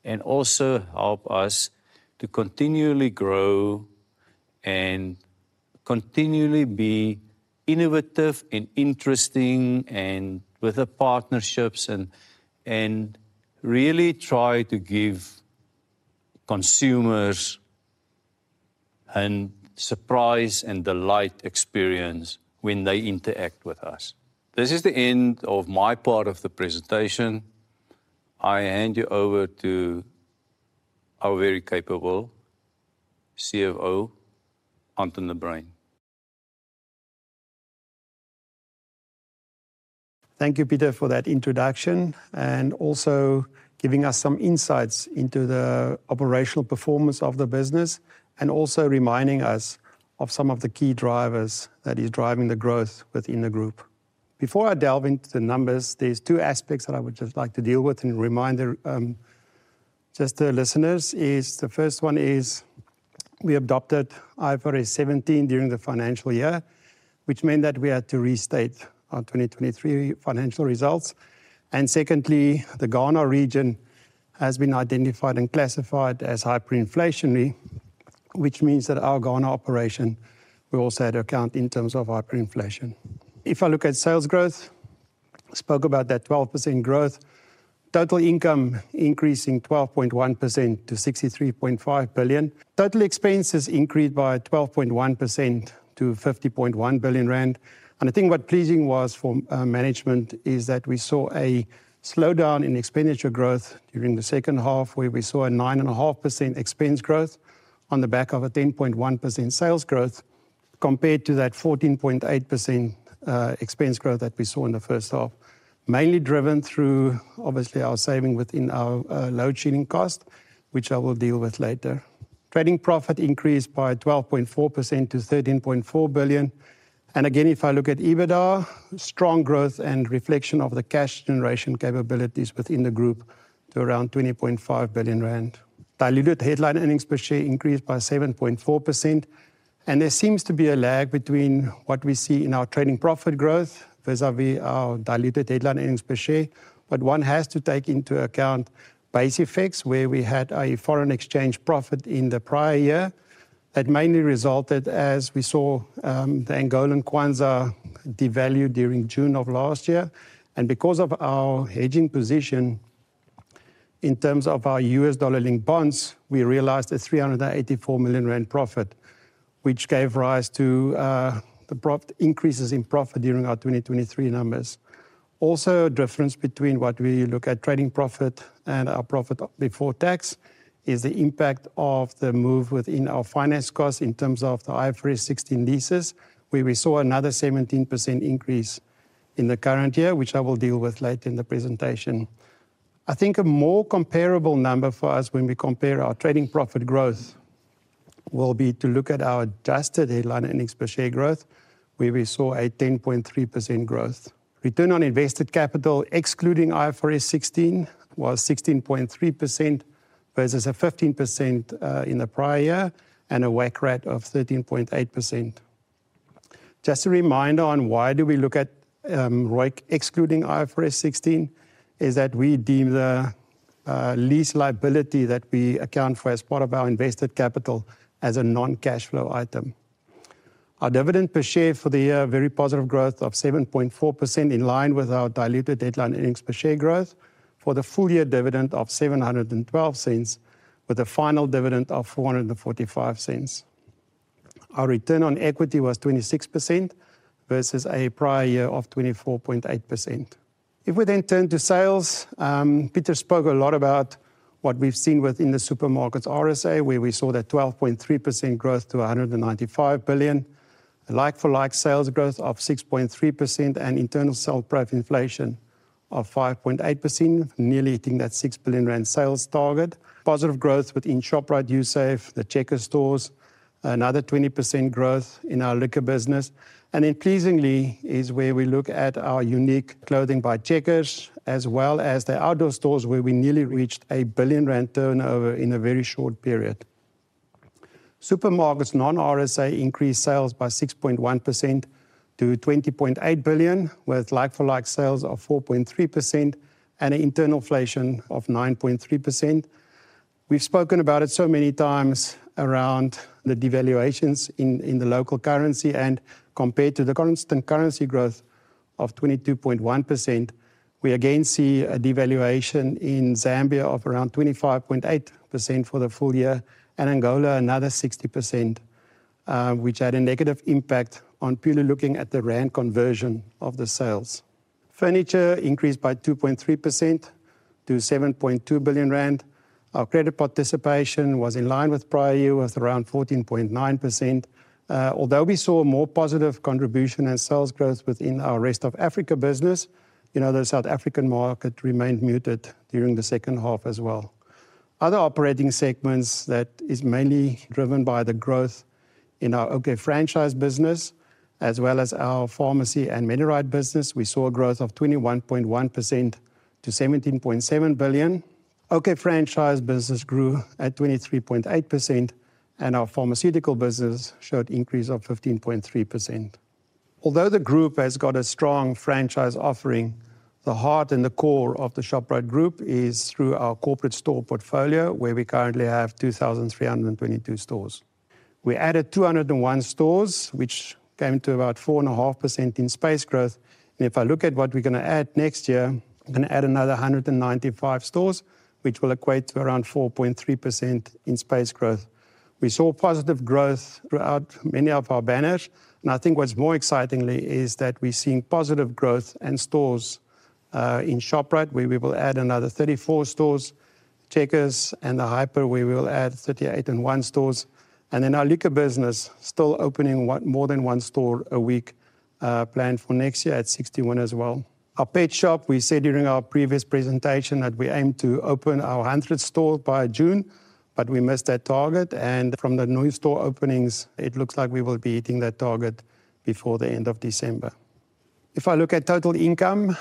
and also help us to continually grow and continually be innovative and interesting, and with the partnerships and really try to give consumers a surprise and delight experience when they interact with us. This is the end of my part of the presentation. I hand you over to our very capable CFO, Anton de Bruyn. Thank you, Pieter, for that introduction, and also giving us some insights into the operational performance of the business, and also reminding us of some of the key drivers that is driving the growth within the group. Before I delve into the numbers, there's two aspects that I would just like to deal with and remind the just the listeners. The first one is we adopted IFRS 17 during the financial year, which meant that we had to restate our 2023 financial results. Secondly, the Ghana region has been identified and classified as hyperinflationary, which means that our Ghana operation will also had to account in terms of hyperinflation. If I look at sales growth, spoke about that 12% growth, total income increasing 12.1% to 63.5 billion. Total expenses increased by 12.1% to 50.1 billion rand. I think what pleasing was for management is that we saw a slowdown in expenditure growth during the second half, where we saw a 9.5% expense growth on the back of a 10.1% sales growth, compared to that 14.8% expense growth that we saw in the first half. Mainly driven through, obviously, our saving within our load shedding cost, which I will deal with later. Trading profit increased by 12.4% to 13.4 billion. Again, if I look at EBITDA, strong growth and reflection of the cash generation capabilities within the group to around 20.5 billion rand. Diluted headline earnings per share increased by 7.4%, and there seems to be a lag between what we see in our trading profit growth vis-a-vis our diluted headline earnings per share. But one has to take into account base effects, where we had a foreign exchange profit in the prior year. That mainly resulted as we saw the Angolan kwanza devalue during June of last year, and because of our hedging position, in terms of our USD-linked bonds, we realized a 384 million rand profit, which gave rise to increases in profit during our 2023 numbers. Also, a difference between what we look at trading profit and our profit before tax is the impact of the move within our finance costs in terms of the IFRS 16 leases, where we saw another 17% increase in the current year, which I will deal with later in the presentation. I think a more comparable number for us when we compare our trading profit growth will be to look at our adjusted headline earnings per share growth, where we saw a 10.3% growth. Return on invested capital, excluding IFRS 16, was 16.3% versus a 15% in the prior year, and a WACC rate of 13.8%. Just a reminder on why do we look at ROIC excluding IFRS 16, is that we deem the lease liability that we account for as part of our invested capital as a non-cash flow item. Our dividend per share for the year, very positive growth of 7.4%, in line with our diluted headline earnings per share growth for the full year dividend of 7.12, with a final dividend of 4.45. Our return on equity was 26% versus a prior year of 24.8%. If we then turn to sales, Peter spoke a lot about what we've seen within the supermarkets RSA, where we saw that 12.3% growth to 195 billion. Like-for-like sales growth of 6.3% and internal sell price inflation of 5.8%, nearly hitting that 6 billion rand sales target. Positive growth within Shoprite, uSave, the Checkers stores, another 20% growth in our liquor business. And then pleasingly is where we look at our UNIQ clothing by Checkers, as well as the outdoor stores, where we nearly reached a 1 billion rand turnover in a very short period. Supermarkets, non-RSA increased sales by 6.1% to 20.8 billion, with like-for-like sales of 4.3% and internal inflation of 9.3%. We've spoken about it so many times around the devaluations in the local currency, and compared to the constant currency growth of 22.1%, we again see a devaluation in Zambia of around 25.8% for the full year, and Angola, another 60%, which had a negative impact on purely looking at the rand conversion of the sales. Furniture increased by 2.3% to 7.2 billion rand. Our credit participation was in line with prior year, with around 14.9%. Although we saw a more positive contribution and sales growth within our rest of Africa business, you know, the South African market remained muted during the second half as well. Other operating segments that is mainly driven by the growth in our OK franchise business, as well as our pharmacy and Medirite business we saw a gross of 21.1% to 17.7% billion of a franchise business group at 23.8%. And our Pharmaceutical business shall increase of 15.3%. Of all the group has got a strong franchise offering. The heart and the core of the Shoprite Group is our corporate store portfolio, where we currently have 2,323 stores. We added 201 stores, which formed about 4.5% increase base group. If I look at what we're going to add another 195 stores, which will create around 4.3% increase base group. We saw positive growth throughout many of our banners, and I think what's more exciting is that we're seeing positive growth in stores in Shoprite, where we will add another 34 stores. Checkers and the Hyper, we will add 38 and one stores. And in our liquor business, still opening more than one store a week, planned for next year at 61 as well. Our pet shop, we said during our previous presentation that we aim to open our 100th store by June, but we missed that target, and from the new store openings, it looks like we will be hitting that target before the end of December. If I look at total income,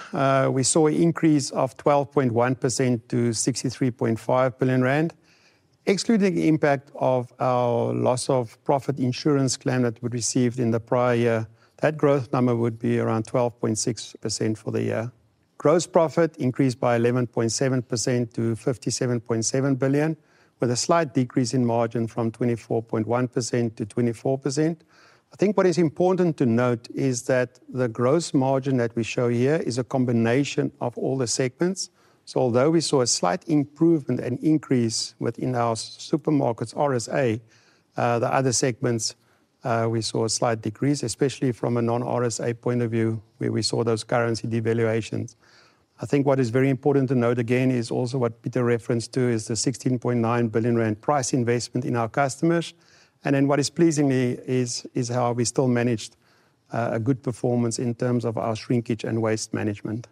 we saw an increase of 12.1% to 63.5 billion rand, excluding the impact of our loss of profit insurance claim that we received in the prior year. That growth number would be around 12.6% for the year. Gross profit increased by 11.7% to 57.7 billion, with a slight decrease in margin from 24.1% to 24%. I think what is important to note is that the gross margin that we show here is a combination of all the segments. So although we saw a slight improvement and increase within our supermarkets, RSA, the other segments, we saw a slight decrease, especially from a non-RSA point of view, where we saw those currency devaluations. I think what is very important to note, again, is also what Peter referenced to, is the 16.9 billion rand price investment in our customers. And then what is pleasing me is, is how we still managed, a good performance in terms of our shrinkage and waste management.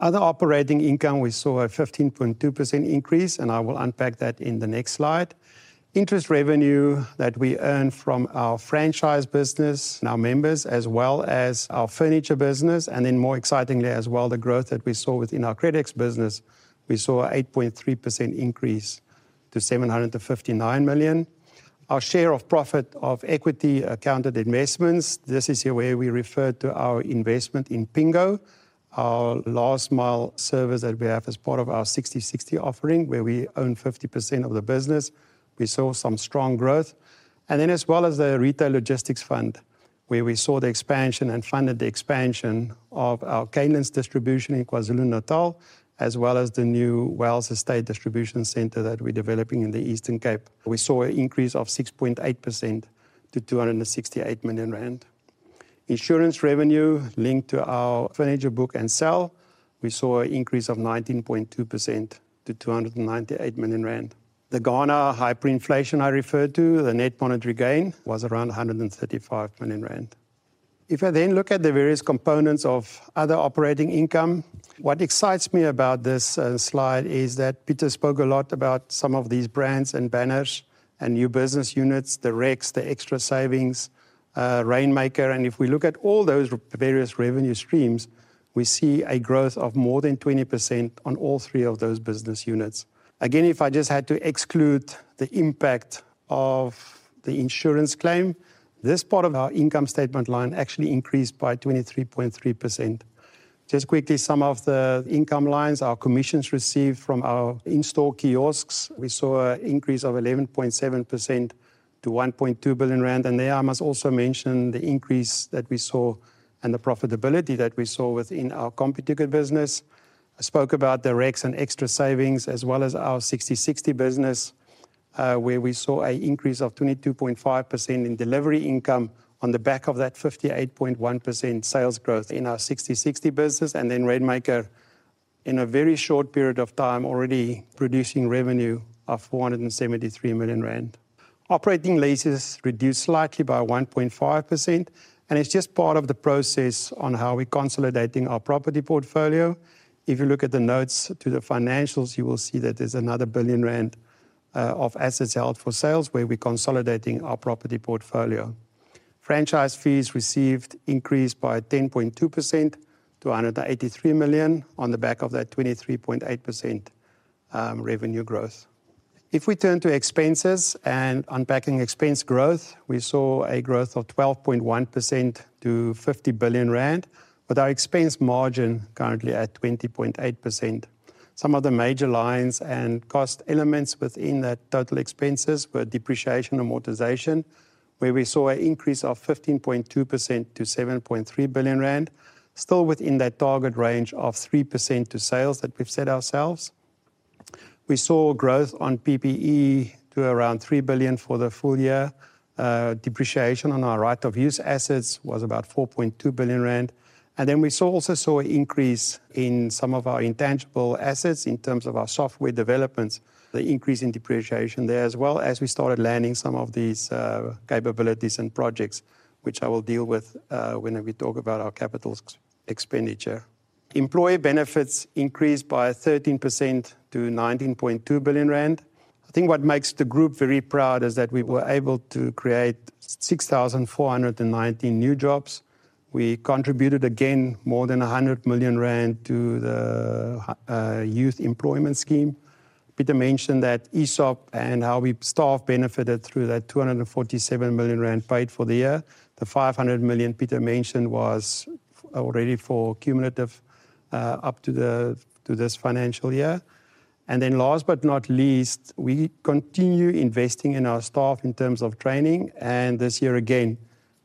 Other operating income, we saw a 15.2% increase, and I will unpack that in the next slide. Interest revenue that we earned from our franchise business and our members, as well as our furniture business, and then more excitingly, as well, the growth that we saw within our credits business, we saw an 8.3% increase to 759 million. Our share of profit of equity accounted investments, this is where we refer to our investment in Pingo, our last mile service that we have as part of our sixty/sixty offering, where we own 50% of the business. We saw some strong growth. And then, as well as the Retail Logistics Fund, where we saw the expansion and funded the expansion of our Canelands Distribution Center in KwaZulu-Natal, as well as the new Wells Estate Distribution Centre that we're developing in the Eastern Cape. We saw an increase of 6.8% to 268 million rand. Insurance revenue linked to our furniture business sale, we saw an increase of 19.2% to 298 million rand. The Ghana hyperinflation I referred to, the net monetary gain was around 135 million rand. If I then look at the various components of other operating income, what excites me about this slide is that Peter spoke a lot about some of these brands and banners and new business units, the ShopriteX, the Xtra Savings, Rainmaker, and if we look at all those various revenue streams, we see a growth of more than 20% on all three of those business units. Again, if I just had to exclude the impact of the insurance claim, this part of our income statement line actually increased by 23.3%. Just quickly, some of the income lines, our commissions received from our in-store kiosks, we saw an increase of 11.7% to 1.2 billion rand. And there, I must also mention the increase that we saw and the profitability that we saw within our Computicket business. I spoke about the ShopriteX and Xtra Savings, as well as our sixty/sixty business, where we saw an increase of 22.5% in delivery income on the back of that 58.1% sales growth in our sixty/sixty business, and then Rainmaker, in a very short period of time, already producing revenue of 473 million rand. Operating leases reduced slightly by 1.5%, and it's just part of the process on how we're consolidating our property portfolio. If you look at the notes to the financials, you will see that there's another 1 billion rand of assets held for sale, where we're consolidating our property portfolio. Franchise fees received increased by 10.2% to 183 million on the back of that 23.8% revenue growth. If we turn to expenses and unpacking expense growth, we saw a growth of 12.1% to 50 billion rand, with our expense margin currently at 20.8%. Some of the major lines and cost elements within that total expenses were depreciation and amortization, where we saw an increase of 15.2% to 7.3 billion rand, still within that target range of 3% to sales that we've set ourselves. We saw growth on PPE to around 3 billion for the full year. Depreciation on our right of use assets was about 4.2 billion rand. And then we saw, also saw an increase in some of our intangible assets in terms of our software developments, the increase in depreciation there, as well as we started landing some of these capabilities and projects, which I will deal with when we talk about our capital expenditure. Employee benefits increased by 13% to 19.2 billion rand. I think what makes the group very proud is that we were able to create 6,494 new jobs. We contributed, again, more than 100 million rand to the youth employment scheme. Peter mentioned that ESOP and how our staff benefited through that 247 million rand paid for the year. The 500 million Peter mentioned was already for cumulative up to this financial year. And then last but not least, we continue investing in our staff in terms of training, and this year, again,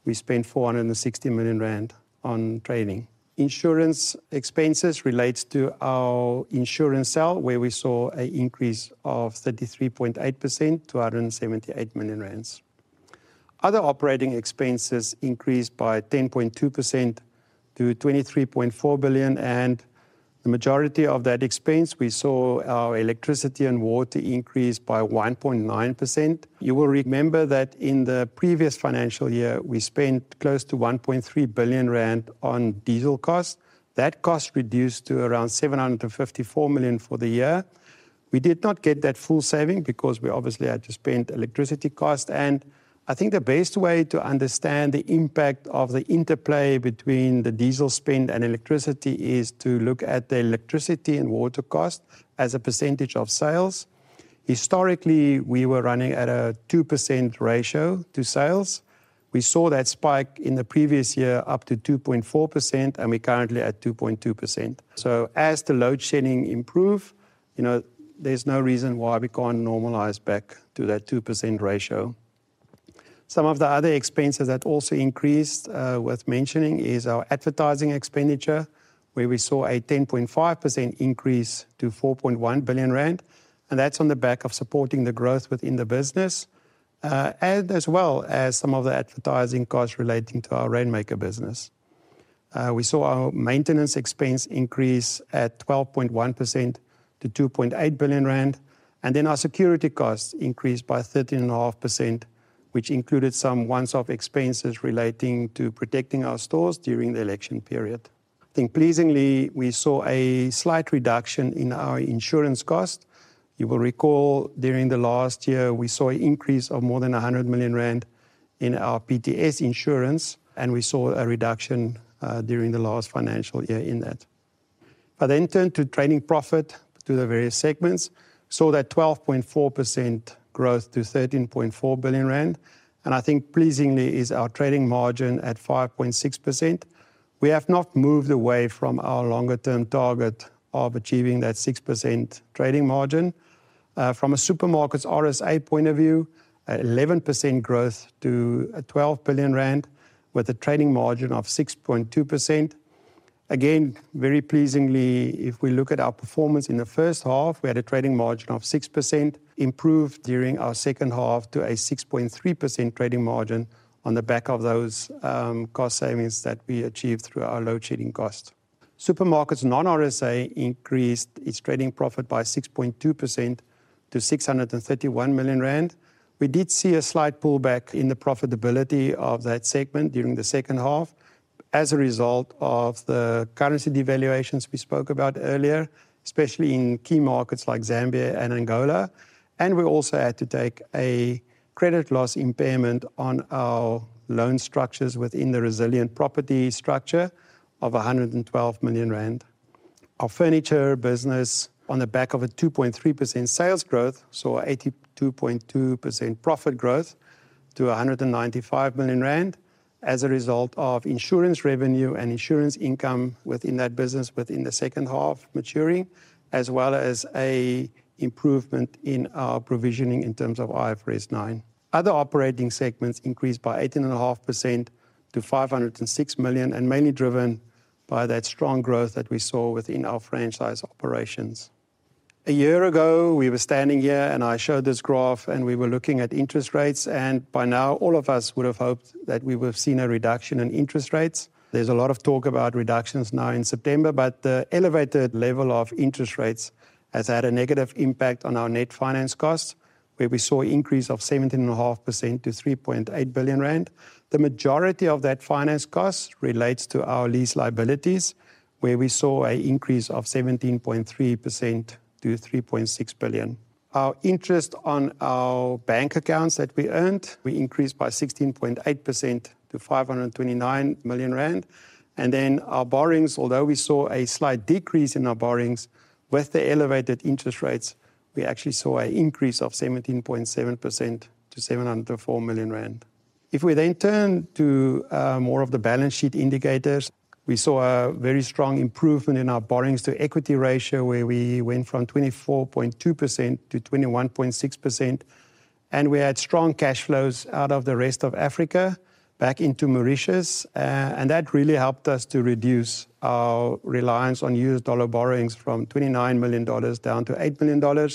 we spent 460 million rand on training. Insurance expenses relates to our insurance self, where we saw an increase of 33.8% to 178 million rand. Other operating expenses increased by 10.2% to 23.4 billion, and the majority of that expense, we saw our electricity and water increase by 1.9%. You will remember that in the previous financial year, we spent close to 1.3 billion rand on diesel costs. That cost reduced to around 754 million for the year. We did not get that full saving because we obviously had to spend electricity cost, and I think the best way to understand the impact of the interplay between the diesel spend and electricity is to look at the electricity and water cost as a percentage of sales. Historically, we were running at a 2% ratio to sales. We saw that spike in the previous year up to 2.4%, and we're currently at 2.2%. So as the load shedding improve, you know, there's no reason why we can't normalize back to that 2% ratio. Some of the other expenses that also increased, worth mentioning is our advertising expenditure, where we saw a 10.5% increase to 4.1 billion rand, and that's on the back of supporting the growth within the business, and as well as some of the advertising costs relating to our Rainmaker business. We saw our maintenance expense increase at 12.1% to 2.8 billion rand, and then our security costs increased by 13.5%, which included some once-off expenses relating to protecting our stores during the election period. I think pleasingly, we saw a slight reduction in our insurance cost. You will recall during the last year, we saw an increase of more than 100 million rand in our PTS insurance, and we saw a reduction during the last financial year in that. But then turn to trading profit to the various segments, saw that 12.4% growth to 13.4 billion rand, and I think pleasingly is our trading margin at 5.6%. We have not moved away from our longer-term target of achieving that 6% trading margin. From a supermarkets RSA point of view, 11% growth to 12 billion rand with a trading margin of 6.2%. Again, very pleasingly, if we look at our performance in the first half, we had a trading margin of 6%, improved during our second half to a 6.3% trading margin on the back of those cost savings that we achieved through our load shedding cost. Supermarkets non-RSA increased its trading profit by 6.2% to 631 million rand. We did see a slight pullback in the profitability of that segment during the second half as a result of the currency devaluations we spoke about earlier, especially in key markets like Zambia and Angola. And we also had to take a credit loss impairment on our loan structures within the Resilient property structure of 112 million rand. Our furniture business, on the back of a 2.3% sales growth, saw 82.2% profit growth to 195 million rand as a result of insurance revenue and insurance income within that business within the second half maturing, as well as an improvement in our provisioning in terms of IFRS 9. Other operating segments increased by 18.5% to 506 million, and mainly driven by that strong growth that we saw within our franchise operations. A year ago, we were standing here, and I showed this graph, and we were looking at interest rates, and by now, all of us would have hoped that we would have seen a reduction in interest rates. There's a lot of talk about reductions now in September, but the elevated level of interest rates has had a negative impact on our net finance costs, where we saw an increase of 17.5% to 3.8 billion rand. The majority of that finance cost relates to our lease liabilities, where we saw an increase of 17.3% to 3.6 billion. Our interest on our bank accounts that we earned, we increased by 16.8% to 529 million rand. And then our borrowings, although we saw a slight decrease in our borrowings, with the elevated interest rates, we actually saw an increase of 17.7% to 704 million rand. If we then turn to more of the balance sheet indicators, we saw a very strong improvement in our borrowings to equity ratio, where we went from 24.2% to 21.6%, and we had strong cash flows out of the rest of Africa back into Mauritius, and that really helped us to reduce our reliance on US dollar borrowings from $29 million down to $8 million.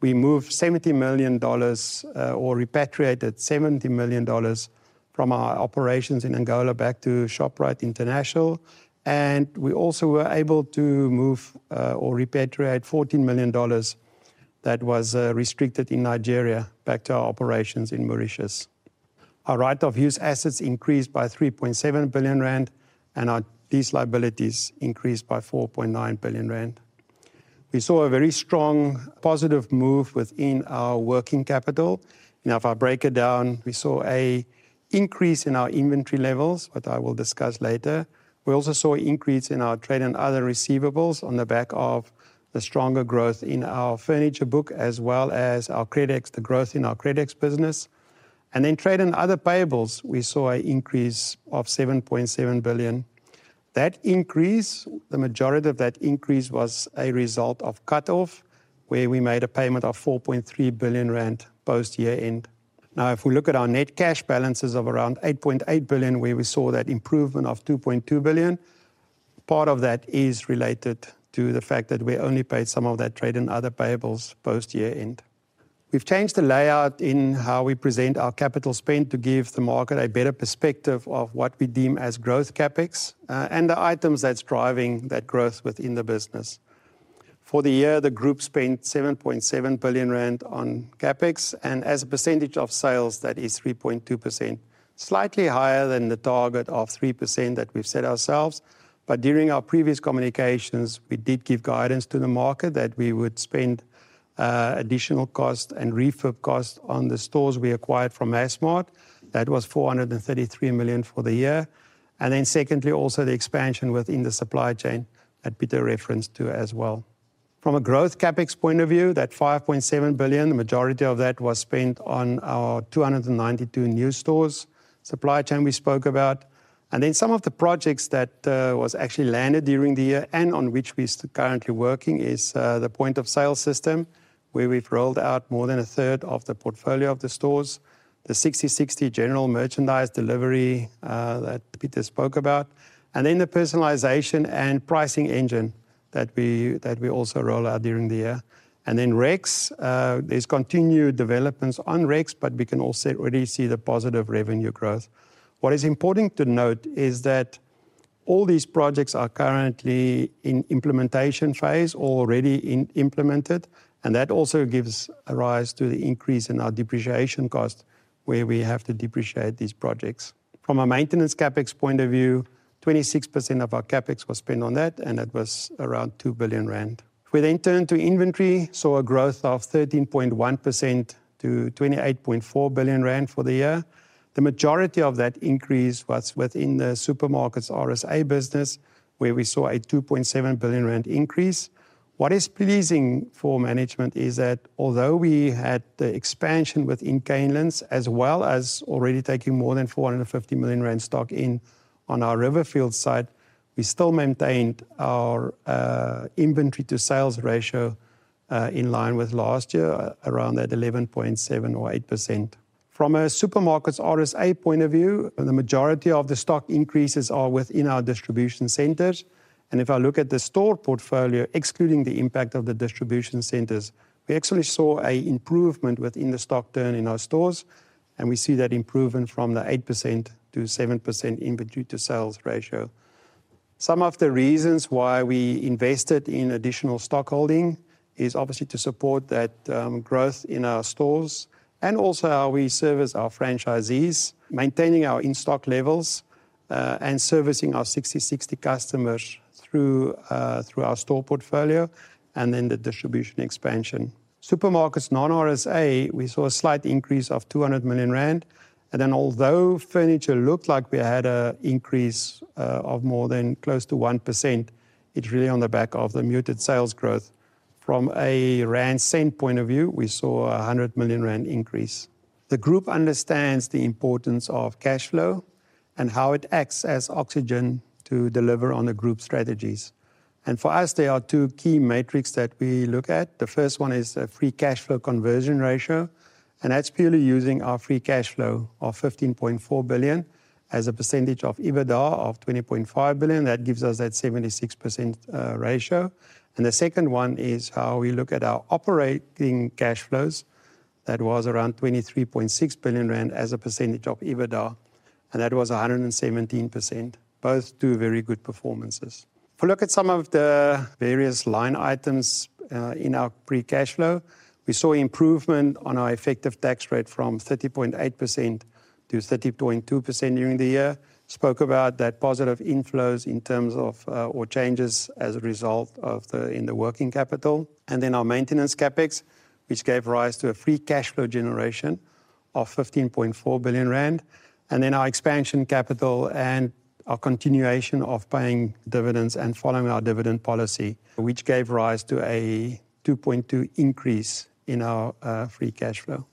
We moved $70 million, or repatriated $70 million from our operations in Angola back to Shoprite International, and we also were able to move, or repatriate $14 million that was restricted in Nigeria back to our operations in Mauritius. Our right of use assets increased by 3.7 billion rand, and our lease liabilities increased by 4.9 billion rand. We saw a very strong positive move within our working capital. Now, if I break it down, we saw an increase in our inventory levels, what I will discuss later. We also saw an increase in our trade and other receivables on the back of the stronger growth in our furniture book, as well as our Credits, the growth in our Credits business. Then trade and other payables, we saw an increase of 7.7 billion. That increase, the majority of that increase was a result of cut-off, where we made a payment of 4.3 billion rand post year-end. Now, if we look at our net cash balances of around 8.8 billion, where we saw that improvement of 2.2 billion. Part of that is related to the fact that we only paid some of that trade and other payables post year-end. We've changed the layout in how we present our capital spend to give the market a better perspective of what we deem as growth CapEx, and the items that's driving that growth within the business. For the year, the group spent 7.7 billion rand on CapEx, and as a percentage of sales, that is 3.2%, slightly higher than the target of 3% that we've set ourselves. But during our previous communications, we did give guidance to the market that we would spend additional cost and refurb cost on the stores we acquired from Massmart. That was 433 million for the year, and then secondly, also the expansion within the supply chain that Pieter referenced to as well. From a growth CapEx point of view, that 5.7 billion, the majority of that was spent on our 292 new stores, supply chain we spoke about, and then some of the projects that was actually landed during the year and on which we're still currently working is the point of sale system, where we've rolled out more than a third of the portfolio of the stores, the Sixty60 general merchandise delivery that Pieter spoke about, and then the personalization and pricing engine that we also roll out during the year. And then ShopriteX, there's continued developments on ShopriteX, but we can also already see the positive revenue growth. What is important to note is that all these projects are currently in implementation phase, already implemented, and that also gives a rise to the increase in our depreciation cost, where we have to depreciate these projects. From a maintenance CapEx point of view, 26% of our CapEx was spent on that, and it was around 2 billion rand. We then turn to inventory, saw a growth of 13.1% to 28.4 billion rand for the year. The majority of that increase was within the supermarkets RSA business, where we saw a 2.7 billion rand increase. What is pleasing for management is that although we had the expansion within Canelands, as well as already taking more than 450 million rand stock in on our Riverfield site, we still maintained our inventory to sales ratio in line with last year, around that 11.7 or 8%. From a supermarkets RSA point of view, the majority of the stock increases are within our distribution centers. If I look at the store portfolio, excluding the impact of the distribution centers, we actually saw a improvement within the stock turn in our stores, and we see that improvement from the 8% to 7% inventory to sales ratio. Some of the reasons why we invested in additional stockholding is obviously to support that, growth in our stores and also how we service our franchisees, maintaining our in-stock levels, and servicing our Sixty60 customers through our store portfolio and then the distribution expansion. Supermarkets, non-RSA, we saw a slight increase of 200 million rand, and then although furniture looked like we had a increase of more than close to 1%, it's really on the back of the muted sales growth. From a rand-centric point of view, we saw a 100 million rand increase. The group understands the importance of cash flow and how it acts as oxygen to deliver on the group strategies, and for us, there are two key metrics that we look at. The first one is a free cash flow conversion ratio, and that's purely using our free cash flow of 15.4 billion as a percentage of EBITDA of 20.5 billion. That gives us that 76%, ratio. And the second one is how we look at our operating cash flows. That was around 23.6 billion rand as a percentage of EBITDA, and that was 117%. Both do very good performances. If we look at some of the various line items in our free cash flow, we saw improvement on our effective tax rate from 30.8% to 30.2% during the year. Spoke about that positive inflows in terms of or changes as a result of the... In the working capital, and then our maintenance CapEx, which gave rise to a free cash flow generation of 15.4 billion rand, and then our expansion capital and our continuation of paying dividends and following our dividend policy, which gave rise to a 2.2 increase in our free cash flow.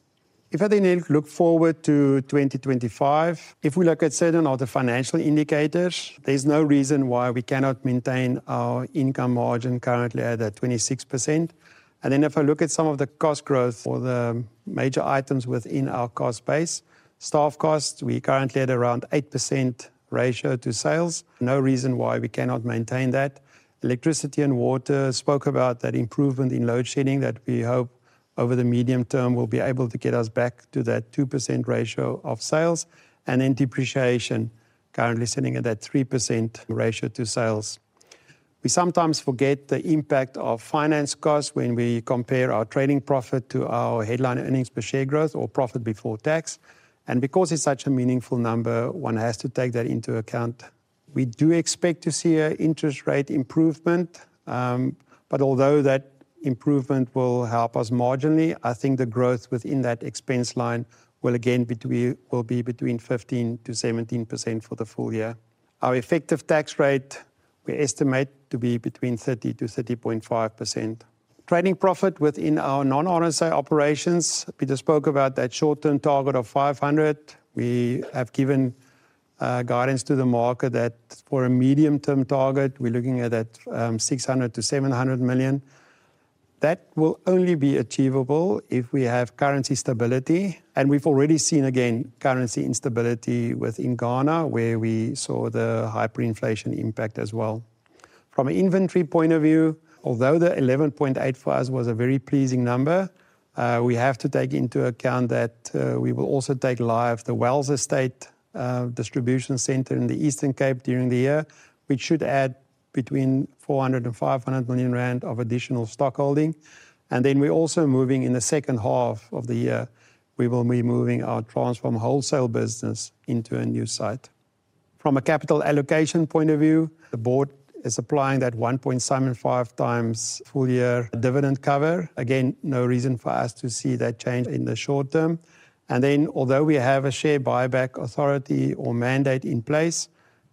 If I then look forward to 2025, if we look at certain of the financial indicators, there's no reason why we cannot maintain our income margin currently at that 26%. And then if I look at some of the cost growth or the major items within our cost base, staff costs, we currently at around 8% ratio to sales. No reason why we cannot maintain that. Electricity and water, spoke about that improvement in load shedding, that we hope over the medium term, will be able to get us back to that 2% ratio of sales, and then depreciation, currently sitting at that 3% ratio to sales. We sometimes forget the impact of finance costs when we compare our trading profit to our headline earnings per share growth or profit before tax. And because it's such a meaningful number, one has to take that into account. We do expect to see an interest rate improvement, but although that improvement will help us marginally, I think the growth within that expense line will again will be between 15% to 17% for the full year. Our effective tax rate, we estimate to be between 30% to 30.5%. Trading profit within our non-RSA operations, Peter spoke about that short-term target of 500 million ZAR. We have given guidance to the market that for a medium-term target, we're looking at that 600 to 700 million ZAR. That will only be achievable if we have currency stability, and we've already seen, again, currency instability within Ghana, where we saw the hyperinflation impact as well. From an inventory point of view, although the 11.8 for us was a very pleasing number, we have to take into account that we will also go live the Wells Estate distribution centre in the Eastern Cape during the year, which should add between 400 and 500 million rand of additional stock holding. Then we're also moving in the second half of the year, we will be moving our Transpharm wholesale business into a new site. From a capital allocation point of view, the board is applying that one point seven five times full year dividend cover. Again, no reason for us to see that change in the short term. And then, although we have a share buyback authority or mandate in place,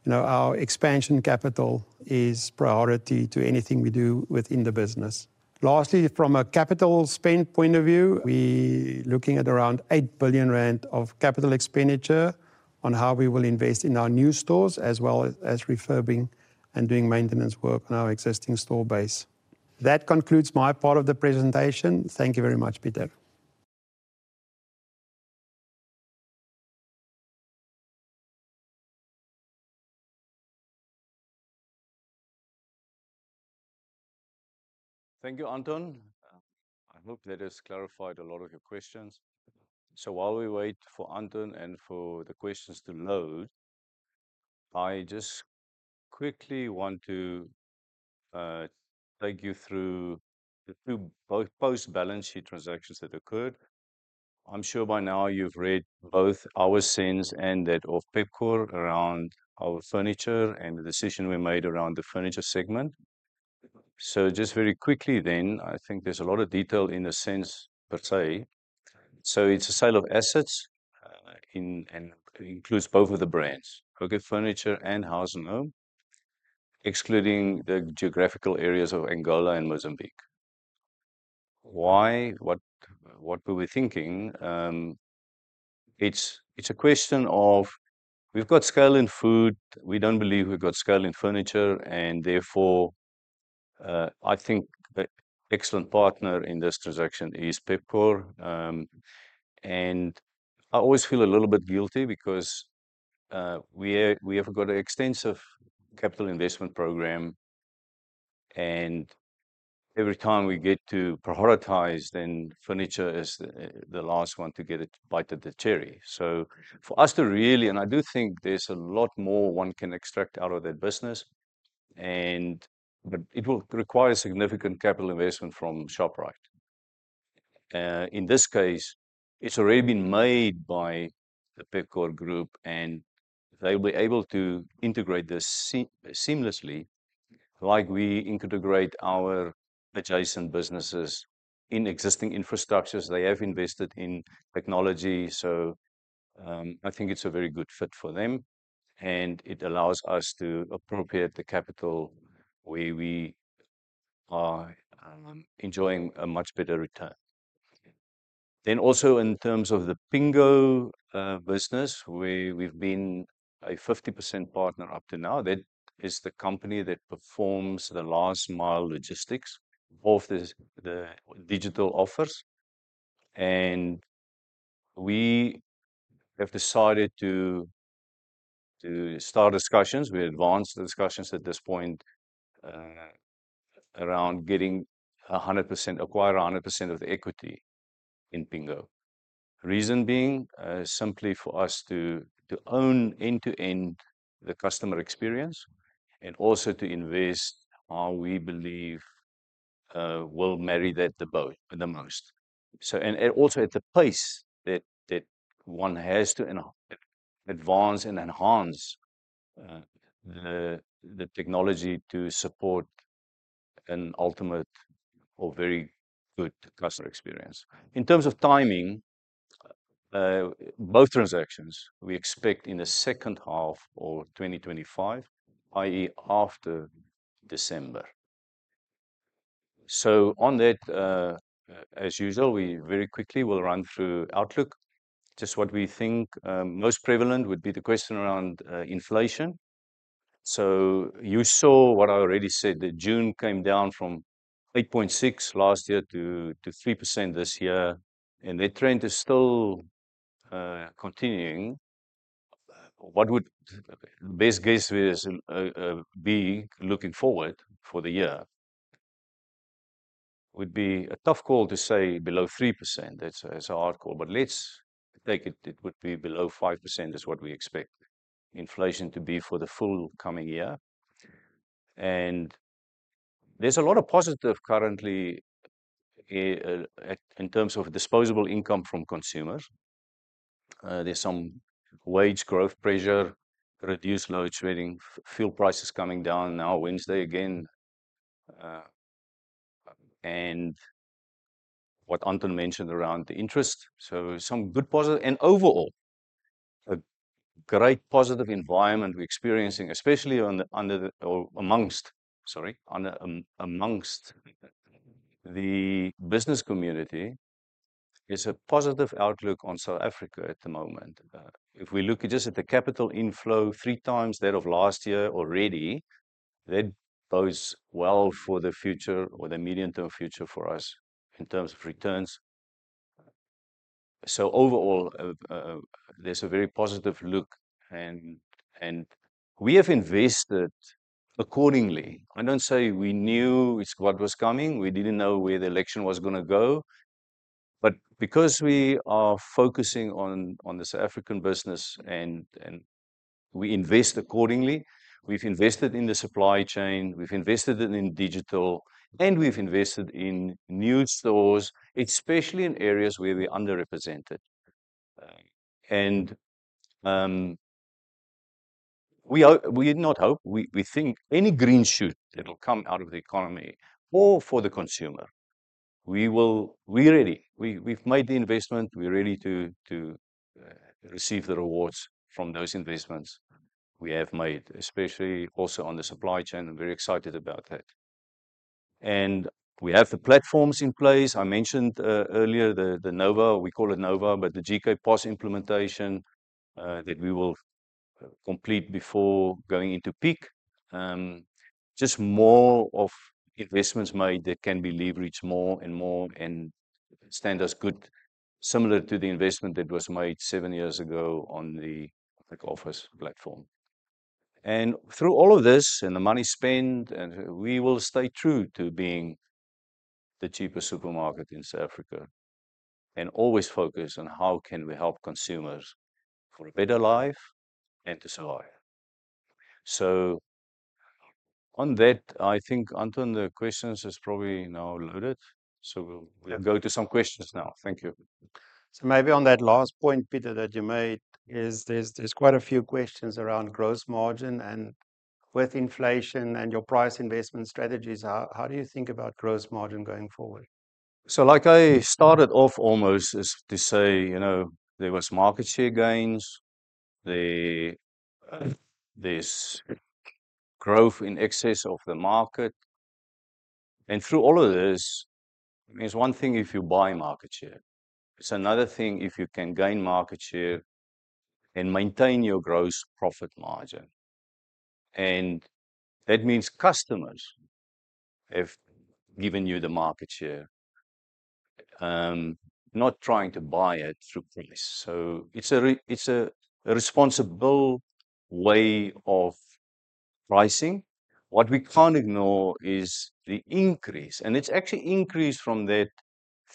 you know, our expansion capital is priority to anything we do within the business. Lastly, from a capital spend point of view, we looking at around 8 billion rand of capital expenditure on how we will invest in our new stores, as well as refurbishing and doing maintenance work on our existing store base. That concludes my part of the presentation. Thank you very much, Pieter. Thank you, Anton. I hope that has clarified a lot of your questions. So while we wait for Anton and for the questions to load, I just quickly want to take you through the two both post-balance sheet transactions that occurred. I'm sure by now you've read both our SENS and that of Pepkor around our furniture and the decision we made around the furniture segment. So just very quickly then, I think there's a lot of detail in the SENS per se. So it's a sale of assets and includes both of the brands, Furniture and House & Home, excluding the geographical areas of Angola and Mozambique. Why? What were we thinking? It's a question of we've got scale in food, we don't believe we've got scale in furniture, and therefore I think the excellent partner in this transaction is Pepkor. And I always feel a little bit guilty because we have got an extensive capital investment program, and every time we get to prioritize, then furniture is the last one to get a bite of the cherry. So for us to really... And I do think there's a lot more one can extract out of that business, and but it will require significant capital investment from Shoprite. In this case, it's already been made by the Pepkor Group, and they'll be able to integrate this seamlessly, like we integrate our adjacent businesses in existing infrastructures. They have invested in technology, so I think it's a very good fit for them, and it allows us to appropriate the capital where we are enjoying a much better return. Then also, in terms of the Pingo business, where we've been a 50% partner up to now, that is the company that performs the last mile logistics of this, the digital offers, and we have decided to start discussions. We advanced the discussions at this point around acquiring a 100% of the equity in Pingo. Reason being, simply for us to own end-to-end the customer experience and also to invest how we believe will marry the two the most. So, and also at the pace that one has to advance and enhance the technology to support an ultimate or very good customer experience. In terms of timing, both transactions, we expect in the second half of 2025, i.e., after December. So on that, as usual, we very quickly will run through outlook, just what we think, most prevalent would be the question around, inflation. You saw what I already said, that June came down from 8.6% last year to three percent this year, and that trend is still continuing. What our best guess is, looking forward for the year? Would be a tough call to say below 3%. That's a hard call, but let's take it. It would be below 5%, is what we expect inflation to be for the full coming year. And there's a lot of positive currently, in terms of disposable income from consumers. There's some wage growth pressure, reduced load shedding, fuel prices coming down now, Wednesday again, and what Anton mentioned around the interest. So some good positive and overall, a great positive environment we're experiencing, especially amongst the business community. There's a positive outlook on South Africa at the moment. If we look just at the capital inflow, three times that of last year already, that bodes well for the future or the medium-term future for us in terms of returns. So overall, there's a very positive look, and, and we have invested accordingly. I don't say we knew it's what was coming. We didn't know where the election was gonna go. But because we are focusing on the South African business and we invest accordingly, we've invested in the supply chain, we've invested in digital, and we've invested in new stores, especially in areas where we're underrepresented. And we did not hope, we think any green shoot that will come out of the economy or for the consumer, we will. We're ready. We've made the investment, we're ready to receive the rewards from those investments we have made, especially also on the supply chain. I'm very excited about that. And we have the platforms in place. I mentioned earlier, the Nova, we call it Nova, but the GK POS implementation, that we will complete before going into peak. Just more of investments made that can be leveraged more and more, and stand us good, similar to the investment that was made seven years ago on the Checkers office platform. Through all of this and the money spent, we will stay true to being the cheapest supermarket in South Africa, and always focus on how can we help consumers for a better life and to survive. On that, I think, Anton, the question is probably now loaded, so we'll- Yeah. We'll go to some questions now. Thank you. Maybe on that last point, Peter, that you made, is there's quite a few questions around gross margin and with inflation and your price investment strategies, how do you think about gross margin going forward? So, like I started off almost, is to say, you know, there was market share gains, there, there's growth in excess of the market. And through all of this, it's one thing if you buy market share, it's another thing if you can gain market share and maintain your gross profit margin. And that means customers have given you the market share, not trying to buy it through price. So it's a, a responsible way of pricing. What we can't ignore is the increase, and it's actually increased from that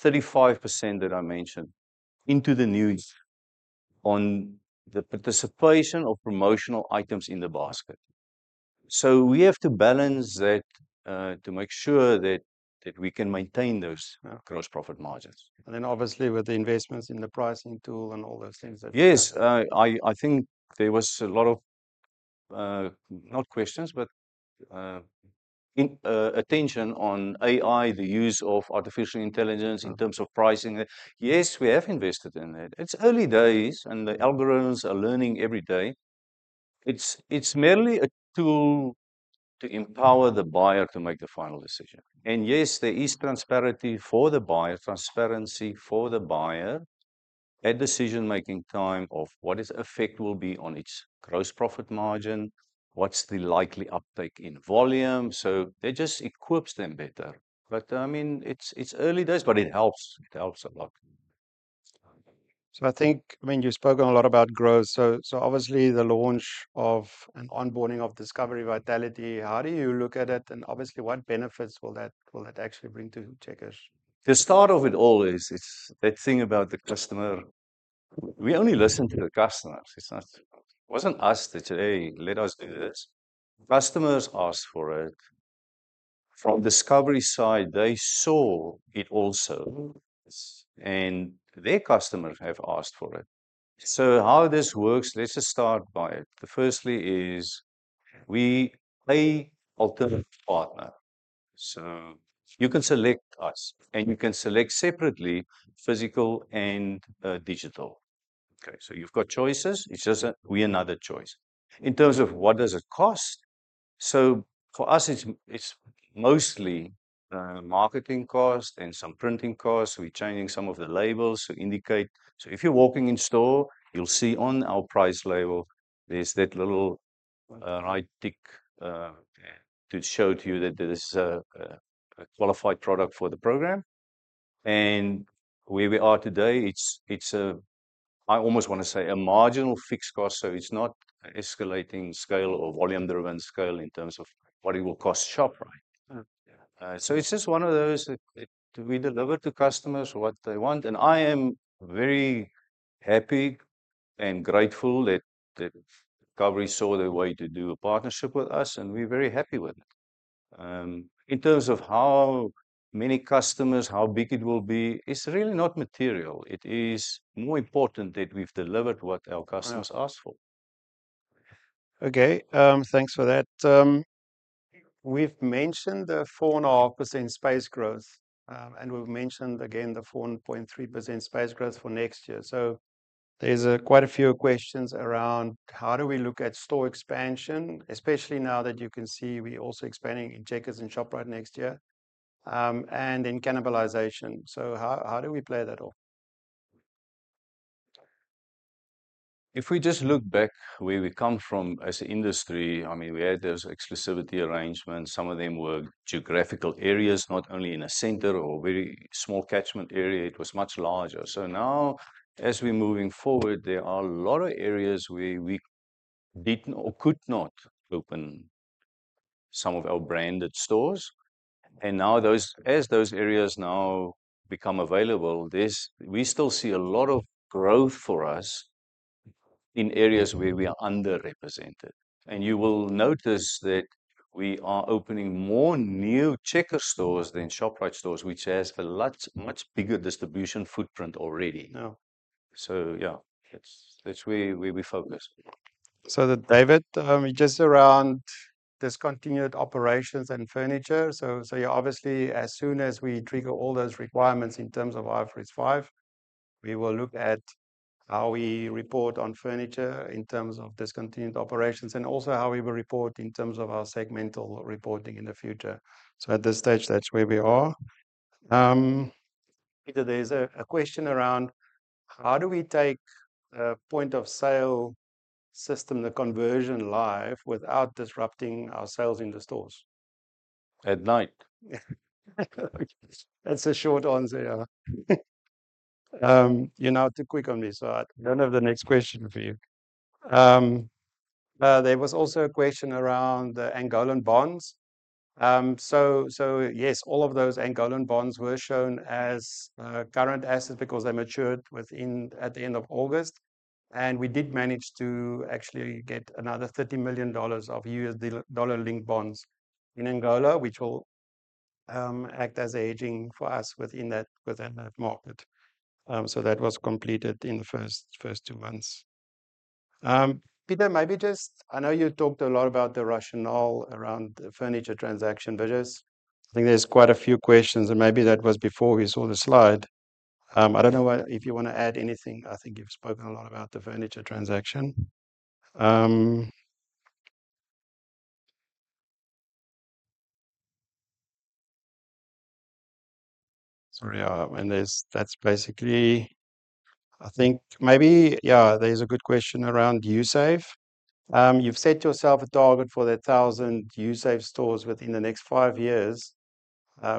35% that I mentioned into the new year, on the participation of promotional items in the basket. So we have to balance that, to make sure that, that we can maintain those- Yeah... gross profit margins. And then obviously, with the investments in the pricing tool and all those things that- Yes, I think there was a lot of attention on AI, the use of artificial intelligence in terms of pricing. Yes, we have invested in it. It's early days, and the algorithms are learning every day. It's merely a tool to empower the buyer to make the final decision. And yes, there is transparency for the buyer at decision-making time of what its effect will be on its gross profit margin, what's the likely uptake in volume. So that just equips them better. But I mean, it's early days, but it helps a lot. So I think, I mean, you've spoken a lot about growth, so obviously the launch of and onboarding of Discovery Vitality, how do you look at it? And obviously, what benefits will that actually bring to Checkers? The start of it all is, it's that thing about the customer. We only listen to the customers. It's not... It wasn't us that said, "Hey, let us do this." Customers asked for it. From Discovery side, they saw it also, and their customers have asked for it. So how this works, let's just start by it. The firstly is we, a alternative partner, so you can select us, and you can select separately, physical and digital. Okay, so you've got choices, it's just that we another choice. In terms of what does it cost? So for us, it's mostly marketing costs and some printing costs. We're changing some of the labels to indicate. If you're walking in store, you'll see on our price label, there's that little right tick to show to you that this is a qualified product for the program. Where we are today, it's a... I almost want to say a marginal fixed cost, so it's not an escalating scale or volume-driven scale in terms of what it will cost Shoprite. Yeah. So it's just one of those that we deliver to customers what they want, and I am very happy and grateful that Discovery saw the way to do a partnership with us, and we're very happy with it. In terms of how many customers, how big it will be, it's really not material. It is more important that we've delivered what our customers asked for. Yeah. Okay, thanks for that. We've mentioned the 4.5% space growth, and we've mentioned again the 4.3% space growth for next year. So there's quite a few questions around: how do we look at store expansion, especially now that you can see we're also expanding in Checkers and Shoprite next year, and then cannibalization. So how do we play that all? If we just look back where we come from as an industry, I mean, we had those exclusivity arrangements. Some of them were geographical areas, not only in a center or very small catchment area. It was much larger. So now, as we're moving forward, there are a lot of areas where we didn't or could not open some of our branded stores, and now, as those areas now become available, we still see a lot of growth for us in areas where we are underrepresented, and you will notice that we are opening more new Checkers stores than Shoprite stores, which has a lot, much bigger distribution footprint already. Yeah. Yeah, that's where we focus. So then, David, just around discontinued operations and furniture. So yeah, obviously, as soon as we trigger all those requirements in terms of IFRS 5, we will look at how we report on furniture in terms of discontinued operations, and also how we will report in terms of our segmental reporting in the future. So at this stage, that's where we are. Peter, there's a question around: how do we take a point of sale system, the conversion live, without disrupting our sales in the stores? At night. That's a short answer, yeah. You're now too quick on me, so I don't have the next question for you. There was also a question around the Angolan bonds. So, yes, all of those Angolan bonds were shown as current assets because they matured within, at the end of August, and we did manage to actually get another $30 million of US dollar-linked bonds in Angola, which will act as hedging for us within that market. So that was completed in the first two months. Pieter, maybe just... I know you talked a lot about the rationale around the furniture transaction, but just, I think there's quite a few questions, and maybe that was before we saw the slide. I don't know if you want to add anything. I think you've spoken a lot about the furniture transaction. Sorry, and there's, that's basically, I think maybe, yeah, there's a good question around uSave. You've set yourself a target for the thousand uSave stores within the next five years.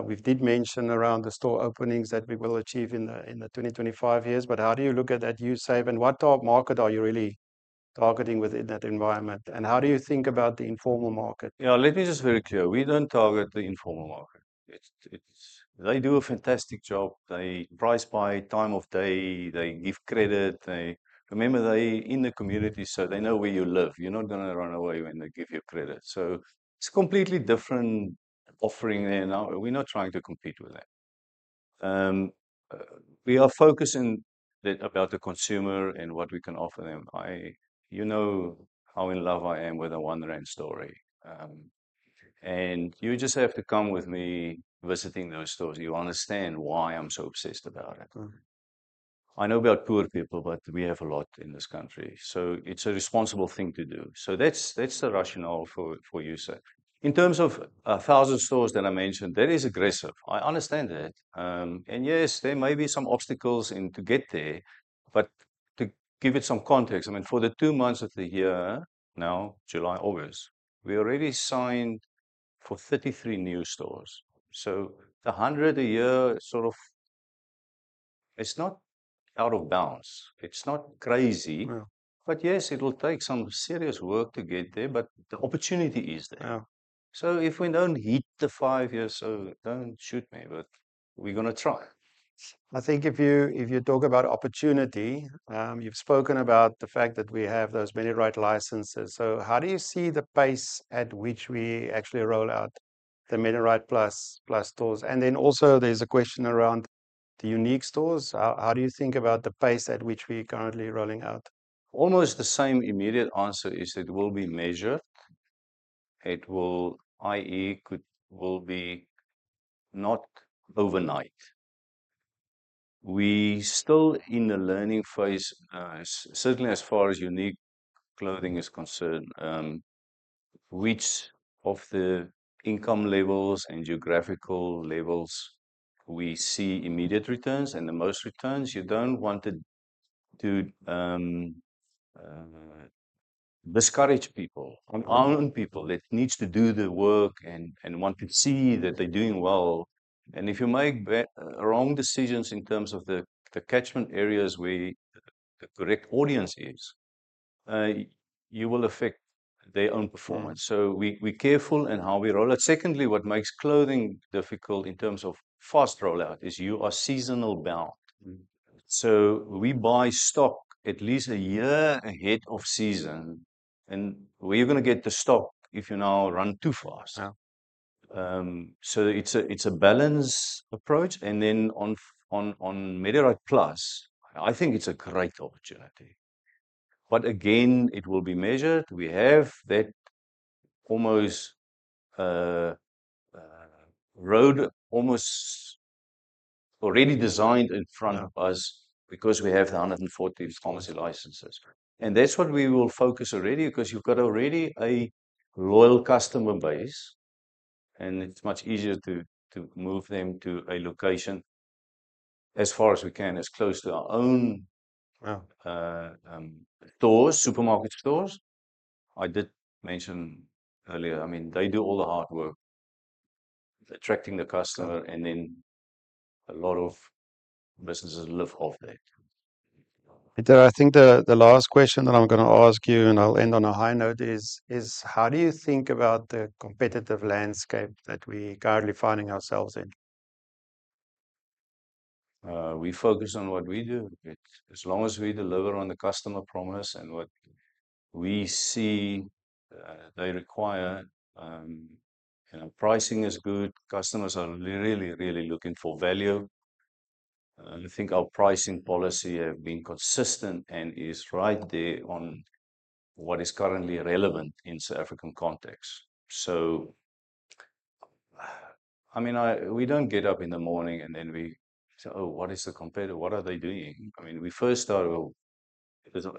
We did mention around the store openings that we will achieve in 2025. But how do you look at that uSave, and what target market are you really targeting within that environment? And how do you think about the informal market? Yeah, let me just be very clear: we don't target the informal market. It's... They do a fantastic job. They price by time of day, they give credit, they... Remember, they're in the community, so they know where you live. You're not gonna run away when they give you credit. So it's a completely different offering, and we're not trying to compete with that. We are focusing about the consumer and what we can offer them. You know how in love I am with the One Rand story. And you just have to come with me visiting those stores. You understand why I'm so obsessed about it. Mm. I know we are poor people, but we have a lot in this country, so it's a responsible thing to do. So that's the rationale for uSave. In terms of a thousand stores that I mentioned, that is aggressive. I understand that. And yes, there may be some obstacles in to get there, but to give it some context, I mean, for the two months of the year, now, July, August, we already signed for 33 new stores. So the hundred a year sort of... It's not out of bounds. It's not crazy. Yeah. But yes, it will take some serious work to get there, but the opportunity is there. Yeah. If we don't hit the five years, don't shoot me, but we're gonna try. I think if you talk about opportunity, you've spoken about the fact that we have those Medirite licenses. So how do you see the pace at which we actually roll out the Medirite Plus stores? And then also there's a question around the Unique stores. How do you think about the pace at which we're currently rolling out? Almost the same immediate answer is it will be measured. It will, i.e., could, will be not overnight. We still in the learning phase, certainly as far as UNIQ clothing is concerned, which of the income levels and geographical levels we see immediate returns and the most returns. You don't want to discourage people, empower people that needs to do the work and want to see that they're doing well. If you make wrong decisions in terms of the catchment areas where the correct audience is, you will affect their own performance. Mm. So we're careful in how we roll out. Secondly, what makes clothing difficult in terms of fast rollout is you are seasonally bound. Mm-hmm. So we buy stock at least a year ahead of season, and where you're gonna get the stock if you now run too fast? Yeah. So it's a balanced approach. And then on Medirite Plus, I think it's a great opportunity, but again, it will be measured. We have that roadmap already designed in front of us because we have the 140 pharmacy licenses. And that's what we will focus already, because you've got already a loyal customer base, and it's much easier to move them to a location as far as we can, as close to our own- Yeah... stores, supermarket stores. I did mention earlier, I mean, they do all the hard work attracting the customer, and then a lot of businesses live off that. Peter, I think the last question that I'm gonna ask you, and I'll end on a high note, is: how do you think about the competitive landscape that we're currently finding ourselves in? We focus on what we do. As long as we deliver on the customer promise and what we see, they require, you know, pricing is good. Customers are really, really looking for value. I think our pricing policy have been consistent and is right there on what is currently relevant in South African context. So, I mean, we don't get up in the morning and then we say, "Oh, what is the competitor? What are they doing?" I mean, we first start, well,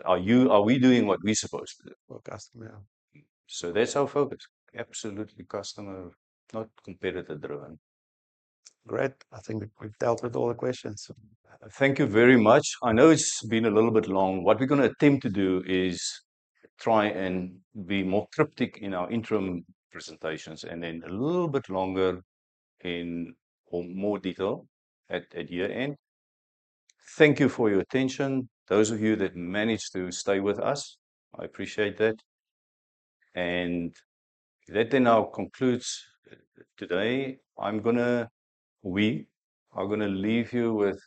are we doing what we're supposed to do? For customer, yeah. So that's our focus. Absolutely customer, not competitor-driven. Great. I think we've dealt with all the questions. Thank you very much. I know it's been a little bit long. What we're gonna attempt to do is try and be more cryptic in our interim presentations, and then a little bit longer in or more detail at year-end. Thank you for your attention. Those of you that managed to stay with us, I appreciate that. And that then now concludes today. We are gonna leave you with,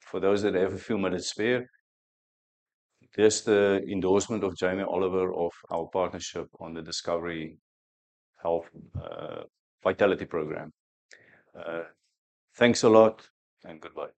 for those that have a few minutes spare, just the endorsement of Jamie Oliver of our partnership on the Discovery Vitality program. Thanks a lot, and goodbye.